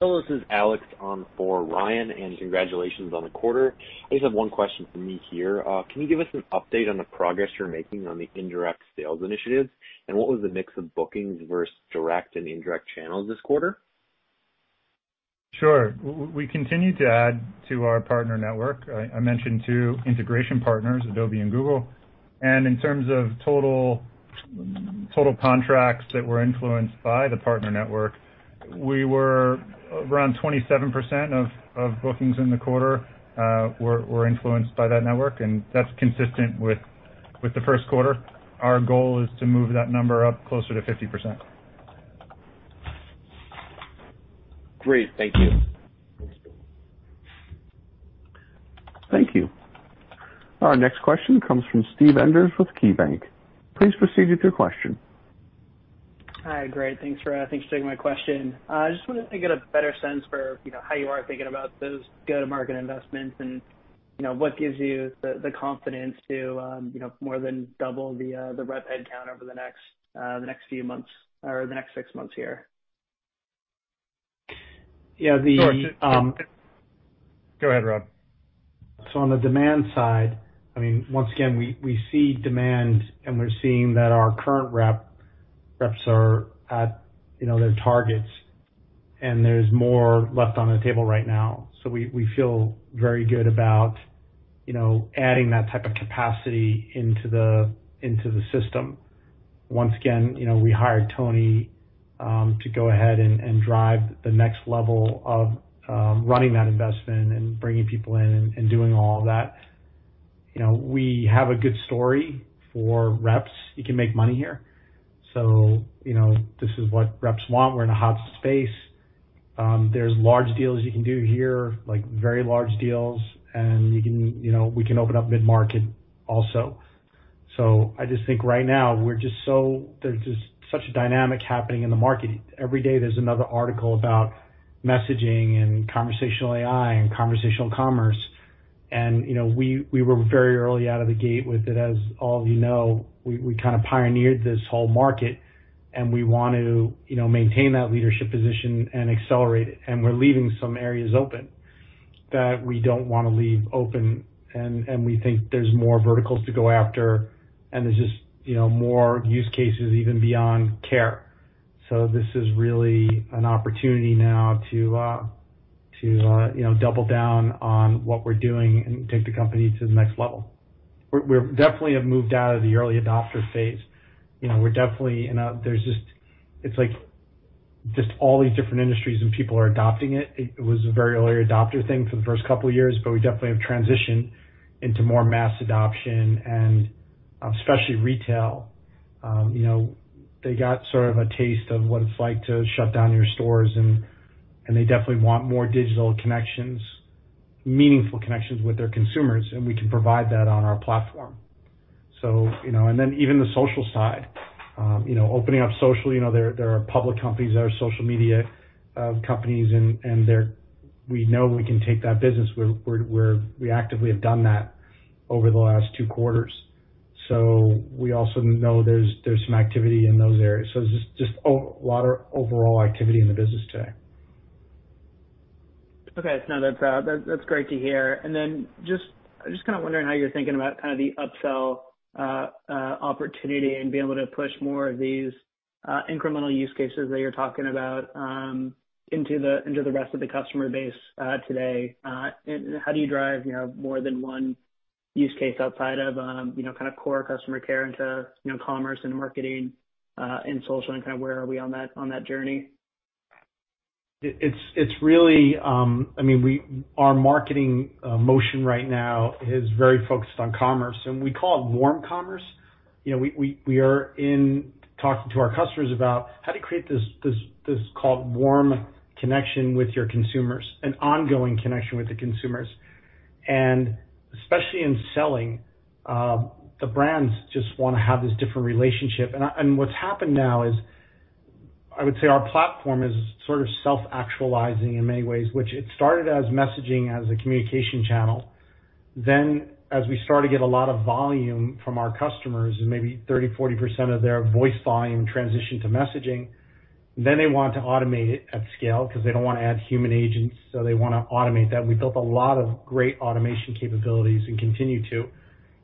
question. Hello, this is Alex on for Ryan. Congratulations on the quarter. I just have one question for me here. Can you give us an update on the progress you're making on the indirect sales initiatives? What was the mix of bookings versus direct and indirect channels this quarter? Sure. We continue to add to our partner network. I mentioned two integration partners, Adobe and Google. In terms of total contracts that were influenced by the partner network, we were around 27% of bookings in the quarter were influenced by that network, and that's consistent with the first quarter. Our goal is to move that number up closer to 50%. Great. Thank you. Thank you. Our next question comes from Steve Enders with KeyBanc. Please proceed with your question. Hi. Great, thanks for taking my question. I just wanted to get a better sense for how you are thinking about those go-to-market investments and what gives you the confidence to more than double the rep headcount over the next few months or the next six months here. Yeah. Sure. Go ahead, Rob. On the demand side, once again, we see demand, and we're seeing that our current reps are at their targets, and there's more left on the table right now. We feel very good about adding that type of capacity into the system. Once again, we hired Tony to go ahead and drive the next level of running that investment and bringing people in and doing all of that. This is what reps want. We're in a hot space. There's large deals you can do here, very large deals, and we can open up mid-market also. I just think right now, there's just such a dynamic happening in the market. Every day, there's another article about messaging and conversational AI and conversational commerce. We were very early out of the gate with it. As all of you know, we kind of pioneered this whole market, and we want to maintain that leadership position and accelerate it. We're leaving some areas open that we don't want to leave open, and we think there's more verticals to go after, and there's just more use cases even beyond care. This is really an opportunity now to double down on what we're doing and take the company to the next level. We definitely have moved out of the early adopter phase. It's like just all these different industries and people are adopting it. It was a very early adopter thing for the first couple of years, but we definitely have transitioned into more mass adoption and especially retail. They got sort of a taste of what it's like to shut down your stores, and they definitely want more digital connections, meaningful connections with their consumers, and we can provide that on our platform. Even the social side. Opening up socially, there are public companies that are social media companies, and we know we can take that business where we actively have done that over the last two quarters. We also know there's some activity in those areas. It's just a lot of overall activity in the business today. Okay. No, that's great to hear. Just kind of wondering how you're thinking about the upsell opportunity and being able to push more of these incremental use cases that you're talking about into the rest of the customer base today. How do you drive more than one use case outside of kind of core customer care into commerce and marketing and social, and kind of where are we on that journey? Our marketing motion right now is very focused on commerce, and we call it warm commerce. We are in talking to our customers about how to create this called warm connection with your consumers, an ongoing connection with the consumers. Especially in selling, the brands just want to have this different relationship. What's happened now is, I would say our platform is sort of self-actualizing in many ways, which it started as messaging as a communication channel. As we started to get a lot of volume from our customers and maybe 30%-40% of their voice volume transitioned to messaging, then they want to automate it at scale because they don't want to add human agents, so they want to automate that. We built a lot of great automation capabilities and continue to.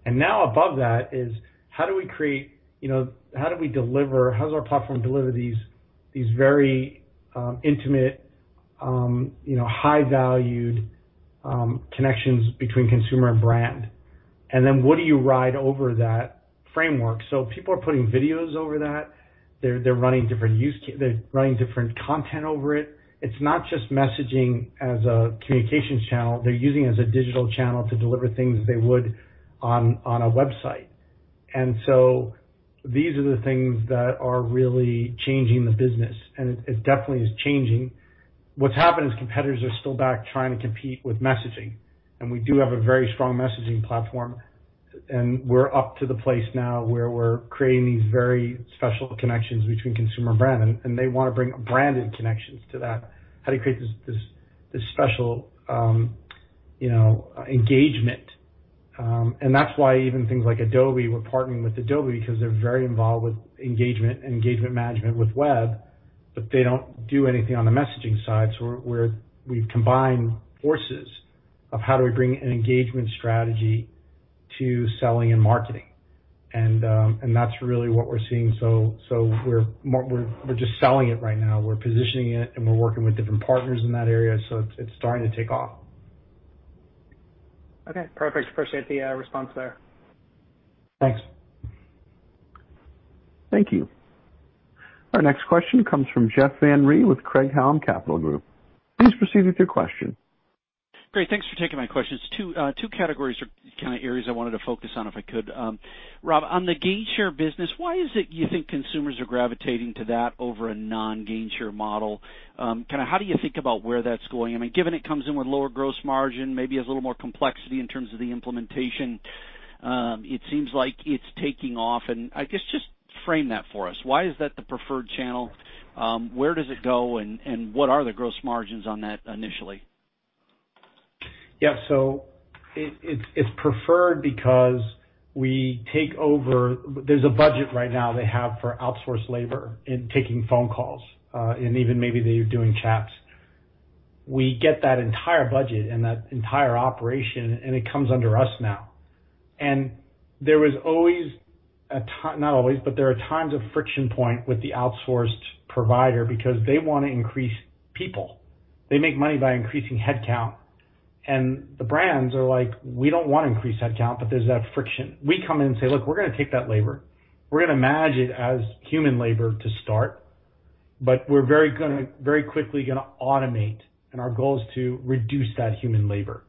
Now above that is how do we deliver, how does our platform deliver these very intimate high-valued connections between consumer and brand? Then what do you ride over that framework? People are putting videos over that. They are running different content over it. It is not just messaging as a communications channel. They are using it as a digital channel to deliver things as they would on a website. These are the things that are really changing the business, and it definitely is changing. What has happened is competitors are still back trying to compete with messaging, and we do have a very strong messaging platform, and we are up to the place now where we are creating these very special connections between consumer and brand, and they want to bring branded connections to that. How do you create this special engagement? That's why even things like Adobe, we're partnering with Adobe because they're very involved with engagement and engagement management with web, but they don't do anything on the messaging side. We've combined forces of how do we bring an engagement strategy to selling and marketing? That's really what we're seeing. We're just selling it right now. We're positioning it, and we're working with different partners in that area. It's starting to take off. Okay, perfect. Appreciate the response there. Thanks. Thank you. Our next question comes from Jeff Van Rhee with Craig-Hallum Capital Group. Please proceed with your question. Great. Thanks for taking my questions. Two categories or kind of areas I wanted to focus on, if I could. Rob, on the Gainshare business, why is it you think consumers are gravitating to that over a non-Gainshare model? Kind of how do you think about where that's going? I mean, given it comes in with lower gross margin, maybe has a little more complexity in terms of the implementation. It seems like it's taking off, and I guess just frame that for us. Why is that the preferred channel? Where does it go, and what are the gross margins on that initially? Yeah. It's preferred because there's a budget right now they have for outsourced labor in taking phone calls, and even maybe they're doing chats. We get that entire budget and that entire operation, and it comes under us now. There was not always, but there are times of friction point with the outsourced provider because they want to increase people. They make money by increasing headcount. The brands are like: We don't want to increase headcount, but there's that friction. We come in and say, "Look, we're going to take that labor." We're going to manage it as human labor to start, but we're very quickly going to automate, and our goal is to reduce that human labor.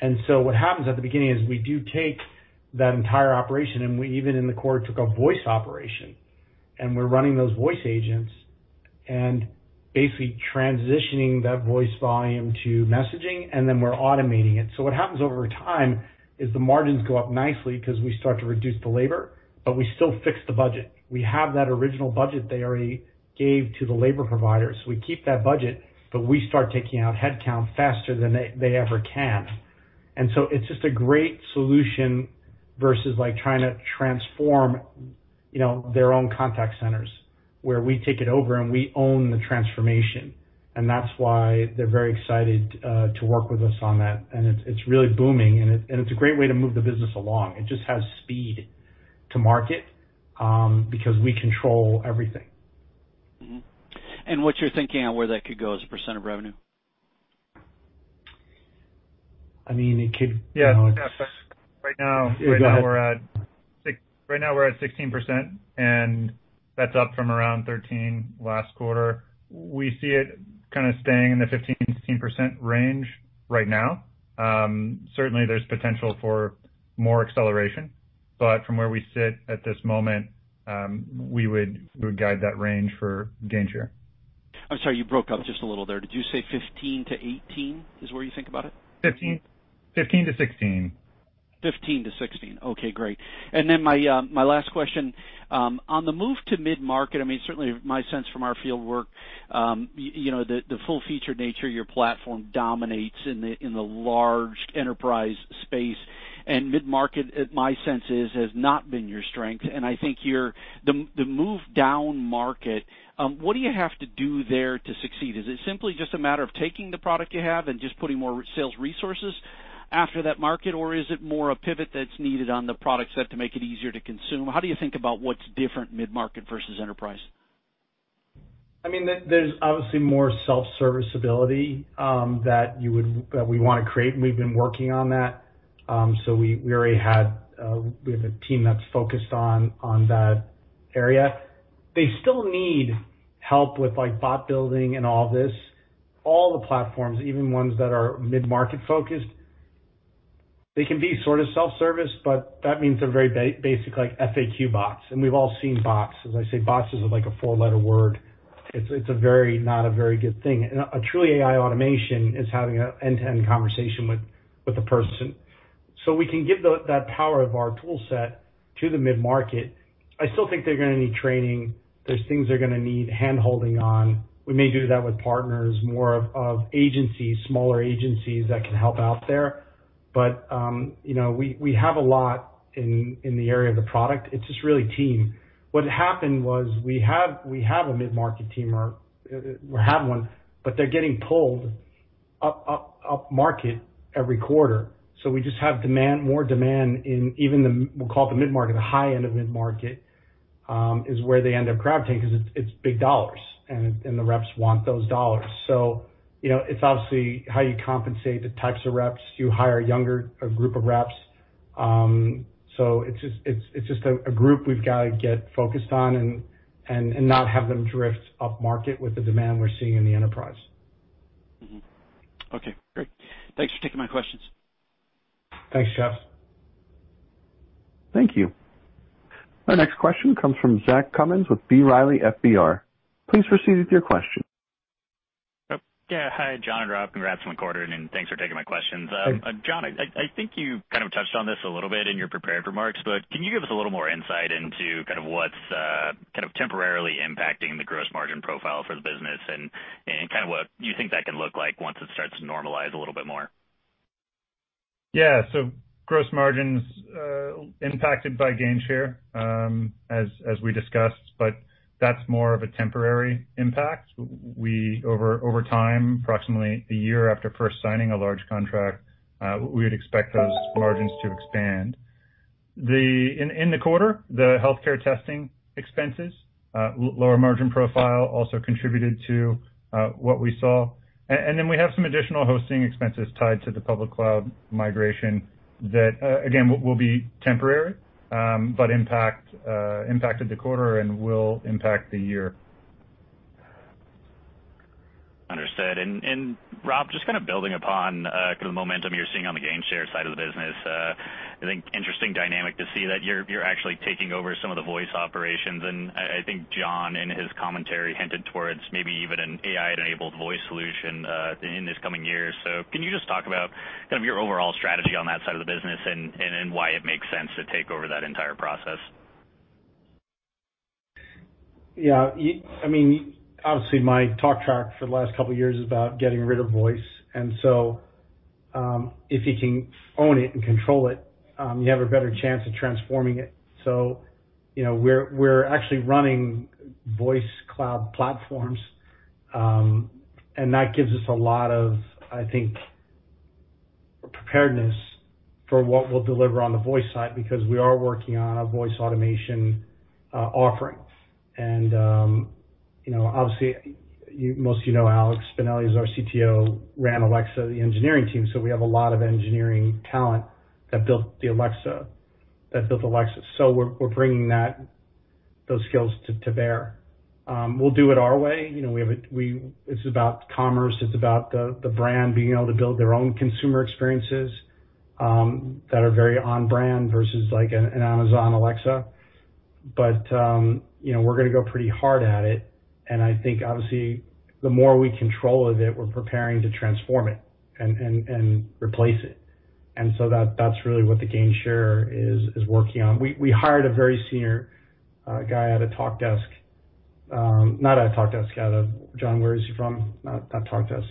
What happens at the beginning is we do take that entire operation, and we even in the quarter took a voice operation, and we're running those voice agents and basically transitioning that voice volume to messaging, and then we're automating it. What happens over time is the margins go up nicely because we start to reduce the labor, but we still fix the budget. We have that original budget they already gave to the labor provider. We keep that budget, but we start taking out headcount faster than they ever can. It's just a great solution versus trying to transform their own contact centers, where we take it over and we own the transformation. That's why they're very excited to work with us on that. It's really booming, and it's a great way to move the business along. It just has speed to market, because we control everything. Mm-hmm. What's your thinking on where that could go as a percent of revenue? I mean. Yeah. Go ahead. Right now we're at 16%, and that's up from around 13% last quarter. We see it kind of staying in the 15%-16% range right now. Certainly, there's potential for more acceleration. From where we sit at this moment, we would guide that range for Gainshare. I'm sorry, you broke up just a little there. Did you say 15%-18% is where you think about it? 15%-16%. 15%-16%. Okay, great. My last question. On the move to mid-market, certainly my sense from our field work, the full-featured nature of your platform dominates in the large enterprise space. Mid-market, my sense is, has not been your strength. I think the move down market, what do you have to do there to succeed? Is it simply just a matter of taking the product you have and just putting more sales resources after that market, or is it more a pivot that's needed on the product set to make it easier to consume? How do you think about what's different mid-market versus enterprise? There's obviously more self-service ability that we want to create, and we've been working on that. We have a team that's focused on that area. They still need help with bot building and all this. All the platforms, even ones that are mid-market focused, they can be sort of self-service, but that means they're very basic, like FAQ bots, and we've all seen bots. As I say, bots is like a four-letter word. It's not a very good thing. A truly AI automation is having an end-to-end conversation with the person. We can give that power of our tool set to the mid-market. I still think they're going to need training. There's things they're going to need hand-holding on. We may do that with partners, more of agencies, smaller agencies that can help out there. We have a lot in the area of the product. It's just really team. What happened was we have a mid-market team, or had one, but they're getting pulled up market every quarter. We just have more demand in even the, we'll call it the mid-market. The high end of mid-market, is where they end up gravitating because it's big dollars, and the reps want those dollars. It's obviously how you compensate the types of reps. Do you hire a younger group of reps? It's just a group we've got to get focused on and not have them drift up market with the demand we're seeing in the enterprise. Mm-hmm. Okay, great. Thanks for taking my questions. Thanks, Jeff. Thank you. Our next question comes from Zach Cummins with B. Riley FBR. Please proceed with your question. Yeah. Hi, John and Rob. Congrats on the quarter, and thanks for taking my questions. Thanks. John, I think you kind of touched on this a little bit in your prepared remarks, but can you give us a little more insight into what's kind of temporarily impacting the gross margin profile for the business and kind of what you think that can look like once it starts to normalize a little bit more? Yeah. Gross margins impacted by Gainshare, as we discussed, but that's more of a temporary impact. Over time, approximately one year after first signing a large contract, we would expect those margins to expand. In the quarter, the healthcare testing expenses, lower margin profile also contributed to what we saw. Then we have some additional hosting expenses tied to the public cloud migration that, again, will be temporary, but impacted the quarter and will impact the year. Understood. Rob, just kind of building upon the momentum you're seeing on the Gainshare side of the business. I think interesting dynamic to see that you're actually taking over some of the voice operations, and I think John, in his commentary, hinted towards maybe even an AI-enabled voice solution in this coming year. Can you just talk about kind of your overall strategy on that side of the business and why it makes sense to take over that entire process? Yeah. Obviously, my talk track for the last couple of years is about getting rid of voice. If you can own it and control it, you have a better chance of transforming it. We're actually running voice cloud platforms, and that gives us a lot of, I think, preparedness for what we'll deliver on the voice side, because we are working on a voice automation offering. Obviously, most of you know Alex Spinelli is our CTO, ran Alexa, the engineering team. We have a lot of engineering talent that built Alexa. We're bringing those skills to bear. We'll do it our way. It's about commerce, it's about the brand being able to build their own consumer experiences that are very on-brand versus an Amazon Alexa. We're going to go pretty hard at it, and I think, obviously, the more we control of it, we're preparing to transform it and replace it. That's really what the Gainshare is working on. We hired a very senior guy out of Talkdesk. Not at Talkdesk. John, where is he from? Not Talkdesk.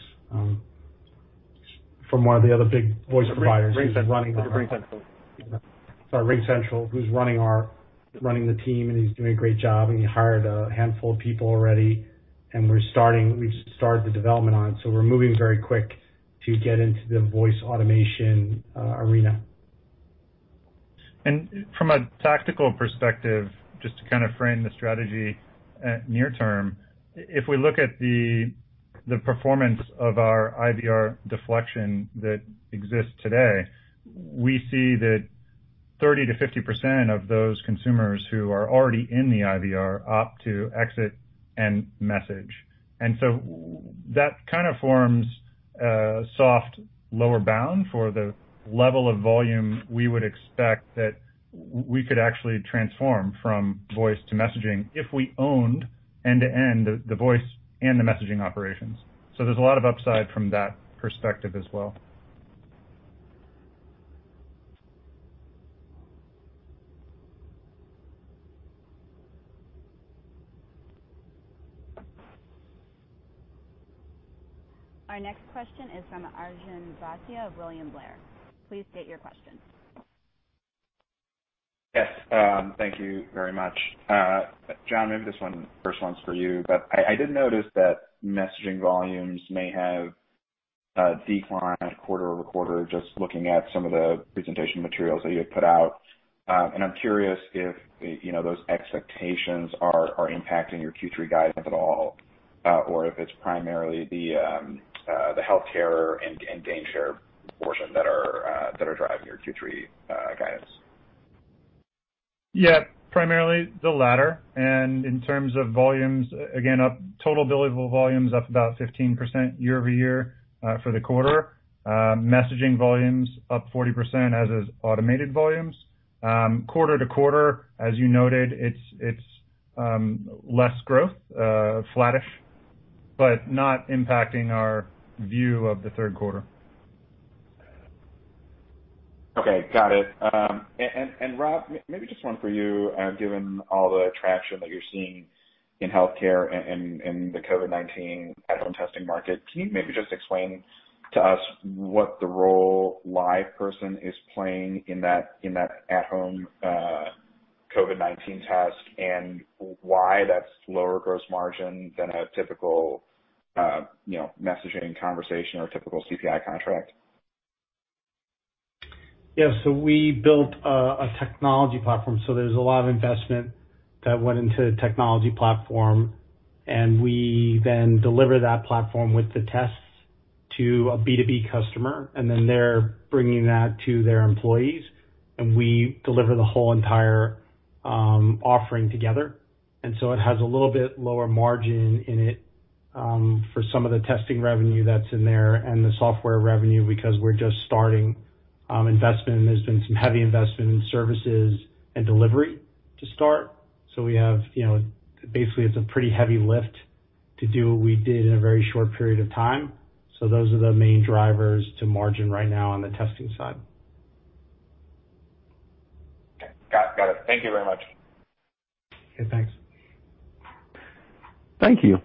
From one of the other big voice providers who's running our. RingCentral. Sorry, RingCentral, who's running the team, and he's doing a great job, and he hired a handful of people already. We've started the development on it. We're moving very quick to get into the voice automation arena. From a tactical perspective, just to frame the strategy at near term, if we look at the performance of our IVR deflection that exists today, we see that 30%-50% of those consumers who are already in the IVR opt to exit and message. That forms a soft lower bound for the level of volume we would expect that we could actually transform from voice to messaging if we owned end-to-end the voice and the messaging operations. There's a lot of upside from that perspective as well. Our next question is from Arjun Bhatia of William Blair. Please state your question. Yes. Thank you very much. John, maybe this first one's for you. I did notice that messaging volumes may have declined quarter-over-quarter, just looking at some of the presentation materials that you had put out. I'm curious if those expectations are impacting your Q3 guidance at all, or if it's primarily the healthcare and Gainshare portion that are driving your Q3 guidance. Yeah, primarily the latter. In terms of volumes, again, total billable volumes up about 15% year-over-year for the quarter. Messaging volumes up 40% as is automated volumes. Quarter-to-quarter, as you noted, it's less growth, flattish, but not impacting our view of the third quarter. Okay. Got it. Rob, maybe just one for you, given all the traction that you're seeing in healthcare and in the COVID-19 at-home testing market, can you maybe just explain to us what the role LivePerson is playing in that at-home COVID-19 test and why that's lower gross margin than a typical messaging conversation or typical CPI contract? Yeah. We built a technology platform. There's a lot of investment that went into the technology platform, and we then deliver that platform with the tests to a B2B customer, and then they're bringing that to their employees, and we deliver the whole entire offering together. It has a little bit lower margin in it for some of the testing revenue that's in there and the software revenue because we're just starting investment, and there's been some heavy investment in services and delivery to start. Basically, it's a pretty heavy lift to do what we did in a very short period of time. Those are the main drivers to margin right now on the testing side. Okay. Got it. Thank you very much. Okay, thanks. Thank you.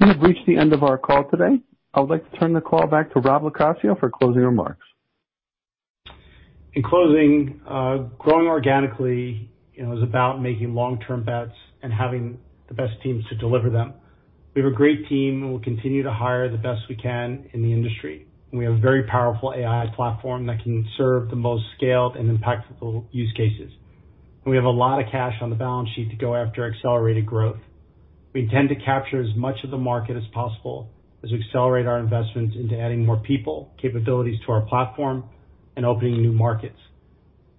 We have reached the end of our call today. I would like to turn the call back to Rob LoCascio for closing remarks. In closing, growing organically is about making long-term bets and having the best teams to deliver them. We have a great team. We'll continue to hire the best we can in the industry. We have a very powerful AI platform that can serve the most scaled and impactful use cases. We have a lot of cash on the balance sheet to go after accelerated growth. We intend to capture as much of the market as possible as we accelerate our investments into adding more people, capabilities to our platform, and opening new markets.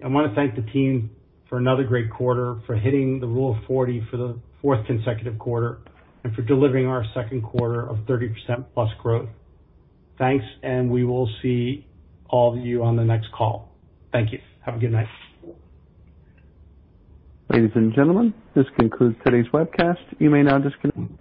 I want to thank the team for another great quarter, for hitting the Rule of 40 for the fourth consecutive quarter, and for delivering our second quarter of 30%+ growth. Thanks. We will see all of you on the next call. Thank you. Have a good night. Ladies and gentlemen, this concludes today's webcast. You may now disconnect.